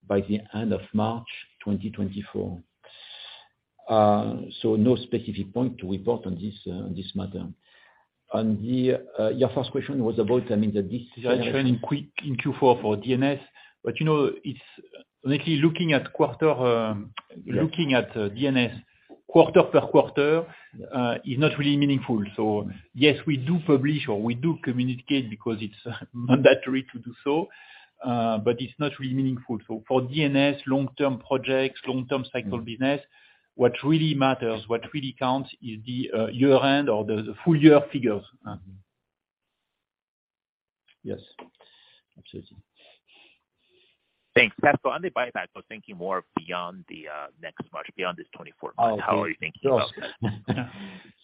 by the end of March 2024. No specific point to report on this matter. The, your first question was about, I mean, In Q4 for DIS, but you know, it's likely looking at quarter, looking at DIS quarter-per-quarter, is not really meaningful. Yes, we do publish or we do communicate because it's mandatory to do so, but it's not really meaningful. For DIS long-term projects, long-term cycle business, what really matters, what really counts is the year-end or the full year figures. Yes. Absolutely. Thanks. Pascal, on the buyback, I was thinking more beyond the next March, beyond this 24-month. How are you thinking about that?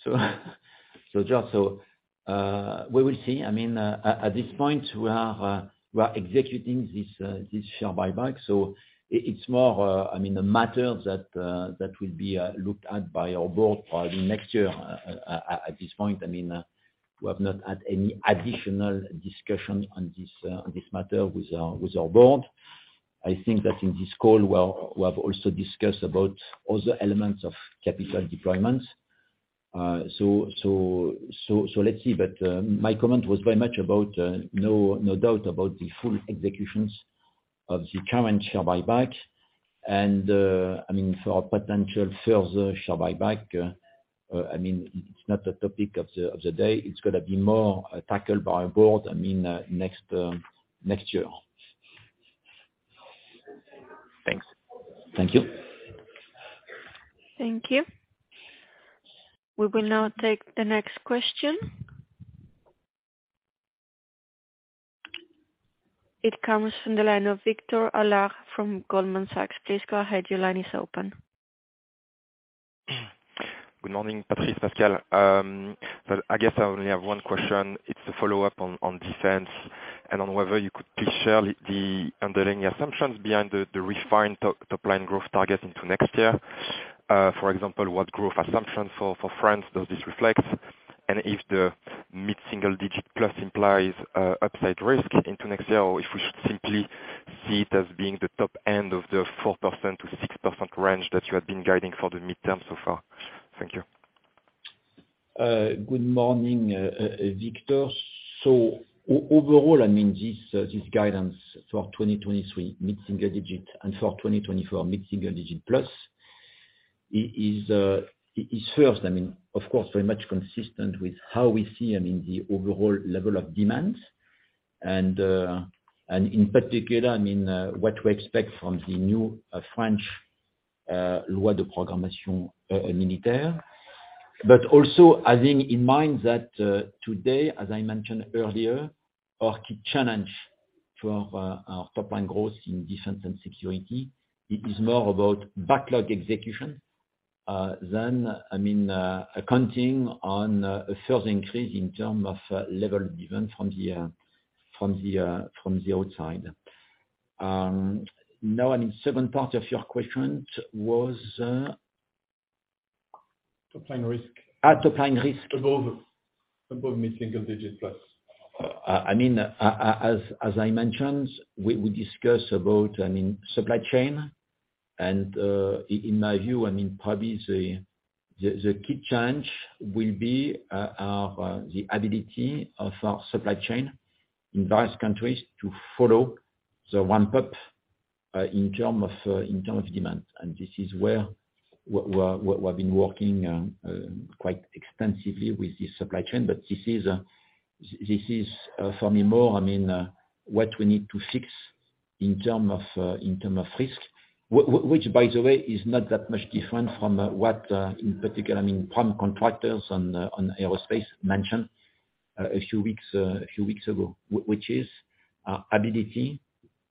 George, we will see. I mean, at this point, we are executing this share buyback, so it's more, I mean, a matter that will be looked at by our board next year. At this point, I mean, we have not had any additional discussion on this matter with our board. I think that in this call, we have also discussed about other elements of capital deployment. let's see. My comment was very much about no doubt about the full executions of the current share buyback and, I mean, for our potential further share buyback, I mean, it's not the topic of the day. It's gonna be more tackled by our board, I mean, next year. Thanks. Thank you. Thank you. We will now take the next question. It comes from the line of Victor Allard from Goldman Sachs. Please go ahead. Your line is open. Good morning, Patrice, Pascal. I guess I only have one question. It's a follow-up on defense and on whether you could please share the underlying assumptions behind the refined top-line growth target into next year. For example, what growth assumption for France does this reflect? And if the mid-single digit plus implies upside risk into next year, or if we should simply see it as being the top end of the 4%-6% range that you have been guiding for the midterm so far. Thank you. Good morning, Victor. Overall, this guidance for 2023 mid-single digit and for 2024 mid-single digit plus is first, of course, very much consistent with how we see the overall level of demand. In particular, what we expect from the new French. Also having in mind that today, as I mentioned earlier, our key challenge to our top line growth in defense and security, it is more about backlog execution than accounting on a further increase in term of level given from the outside. Now second part of your question was. Top line risk. Top line risk. Above mid-single digit plus. I mean, as I mentioned, we discussed about, I mean, supply chain and in my view, I mean, probably the key change will be our, the ability of our supply chain in various countries to follow the ramp up in terms of demand. This is where we're, we've been working quite extensively with the supply chain. This is for me more, I mean, what we need to fix in terms of risk. Which by the way, is not that much different from what in particular, I mean, prime contractors on aerospace mentioned a few weeks ago, which is ability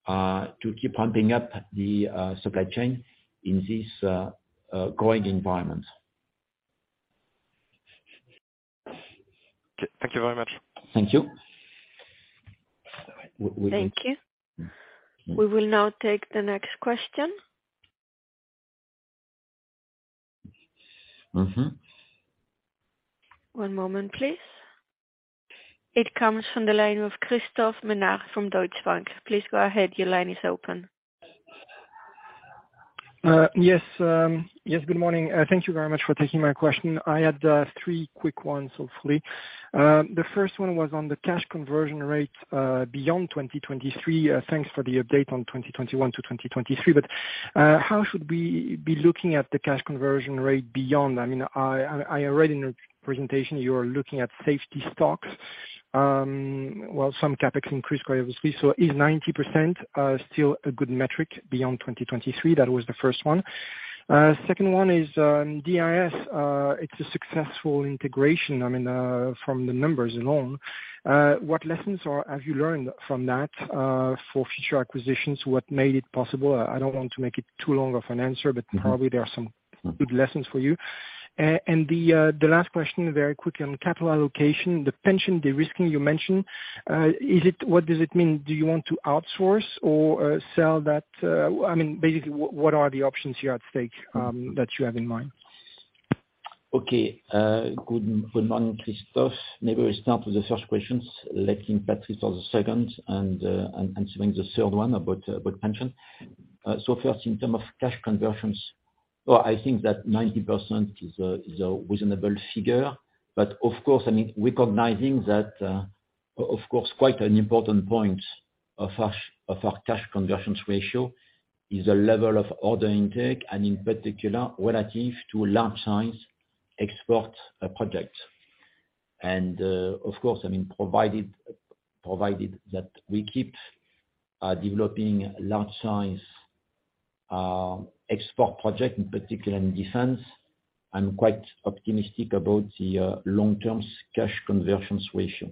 to keep pumping up the supply chain in this growing environment. Thank you very much. Thank you. W-we- Thank you. We will now take the next question. Mm-hmm. One moment please. It comes from the line of Christophe Menard from Deutsche Bank. Please go ahead. Your line is open. Yes, good morning. Thank you very much for taking my question. I had three quick ones, hopefully. The first one was on the cash conversion rate beyond 2023. Thanks for the update on 2021 to 2023. How should we be looking at the cash conversion rate beyond? I mean, I read in your presentation you are looking at safety stocks. Well, some CapEx increased quite obviously, so is 90% still a good metric beyond 2023? That was the first one. Second one is DIS. It's a successful integration, I mean, from the numbers alone. What lessons have you learned from that for future acquisitions? What made it possible? I don't want to make it too long of an answer, but probably there are some good lessons for you. The last question, very quick on capital allocation, the pension de-risking you mentioned, what does it mean? Do you want to outsource or sell that? I mean, basically, what are the options here at stake that you have in mind? Okay. Good morning, Christophe. Maybe we start with the first questions, letting Patrice have the second, and saving the third one about pension. First in terms of cash conversions. Well, I think that 90% is a reasonable figure. Of course, I mean, recognizing that, of course, quite an important point of our cash conversions ratio is the level of order intake, and in particular, relative to large size export projects. Of course, I mean, provided that we keep developing large size export project, in particular in defense, I'm quite optimistic about the long-term cash conversions ratio.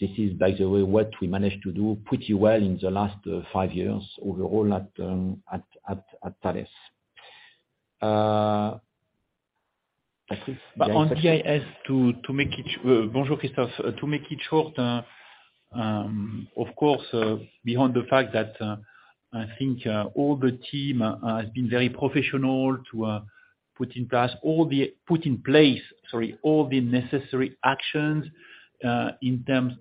This is, by the way, what we managed to do pretty well in the last 5 years overall at Thales. Patrice? On DIS, to make it, bonjour, Christophe. To make it short, of course, beyond the fact that I think all the team has been very professional to put in place, sorry, all the necessary actions in terms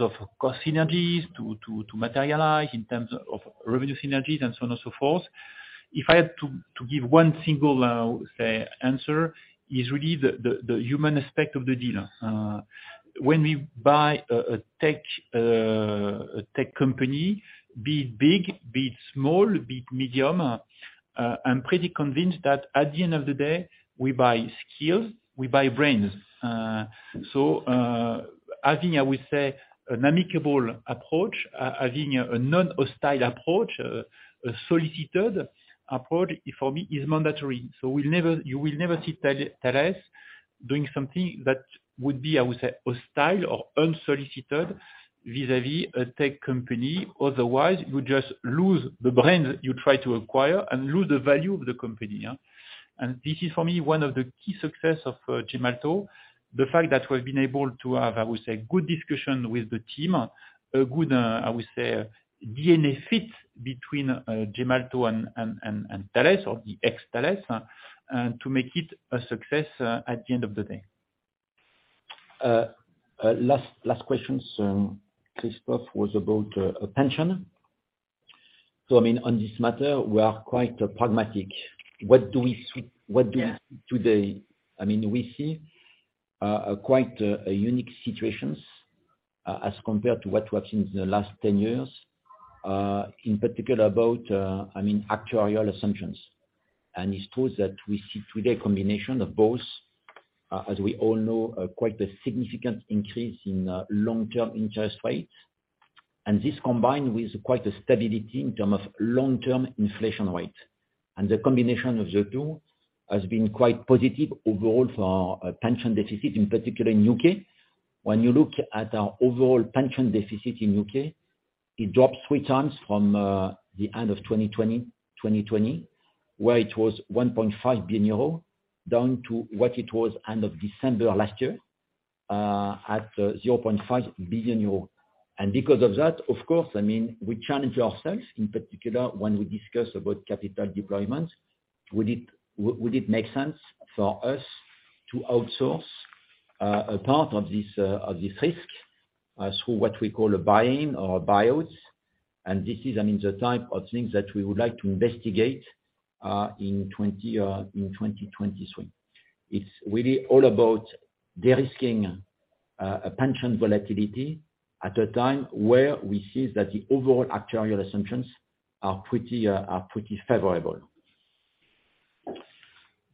of cost synergies to materialize, in terms of revenue synergies and so on and so forth. If I had to give one single, say, answer, is really the human aspect of the dealer. When we buy a tech company, be it big, be it small, be it medium, I'm pretty convinced that at the end of the day, we buy skills, we buy brains. Having I would say an amicable approach, having a non-hostile approach, a solicited approach, for me, is mandatory. We'll never, you will never see Thales doing something that would be, I would say, hostile or unsolicited vis-a-vis a tech company. Otherwise, you just lose the brain you try to acquire and lose the value of the company, yeah? This is for me, one of the key success of Gemalto, the fact that we've been able to have, I would say, good discussion with the team, a good, I would say DNA fit between Gemalto and Thales or the ex-Thales, to make it a success at the end of the day. Last question was about pension. I mean, on this matter, we are quite pragmatic. What do we see today? I mean, we see quite a unique situation as compared to what we have seen in the last 10 years, in particular about, I mean, actuarial assumptions. It's true that we see today a combination of both, as we all know, quite a significant increase in long-term interest rates. This combined with quite a stability in term of long-term inflation rate. The combination of the two has been quite positive overall for pension deficit, in particular in UK. When you look at our overall pension deficit in UK, it dropped 3 times from the end of 2020, where it was 1.5 billion euro, down to what it was end of December last year, at 0.5 billion euro. Because of that, of course, I mean, we challenge ourselves, in particular when we discuss about capital deployment. Would it make sense for us to outsource a part of this of this risk through what we call a buy-in or buys? This is, I mean, the type of things that we would like to investigate in 2023. It's really all about de-risking a pension volatility at a time where we see that the overall actuarial assumptions are pretty, are pretty favorable.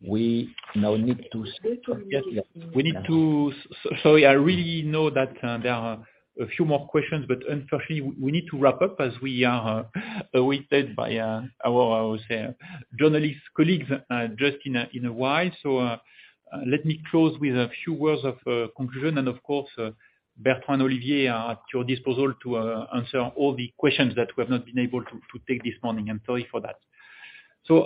We need to. Sorry, I really know that there are a few more questions, but unfortunately, we need to wrap up as we are awaited by our, I would say, journalist colleagues, just in a while. Let me close with a few words of conclusion. Of course, Bertrand and Olivier are at your disposal to answer all the questions that we have not been able to take this morning. I'm sorry for that.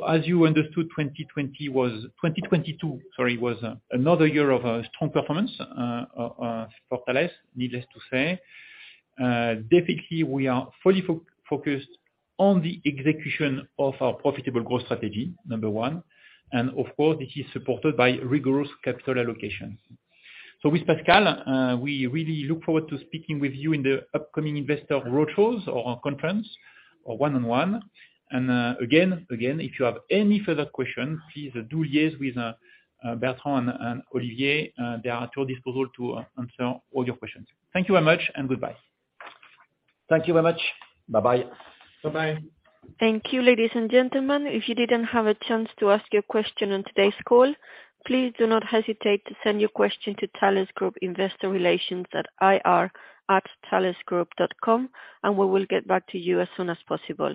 As you understood, 2020 was 2022, sorry, was another year of strong performance for Thales, needless to say. Definitely we are fully focused on the execution of our profitable growth strategy, number one, and of course, this is supported by rigorous capital allocation. With Pascal, we really look forward to speaking with you in the upcoming investor roadshows or conference or one-on-one. If you have any further questions, please do liaise with Bertrand and Olivier. They are at your disposal to answer all your questions. Thank you very much, and goodbye. Thank you very much. Bye-bye. Bye-bye. Thank you, ladies and gentlemen. If you didn't have a chance to ask your question on today's call, please do not hesitate to send your question to Thales Group investor relations at ir@thalesgroup.com, and we will get back to you as soon as possible.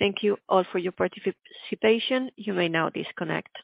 Thank you all for your participation. You may now disconnect.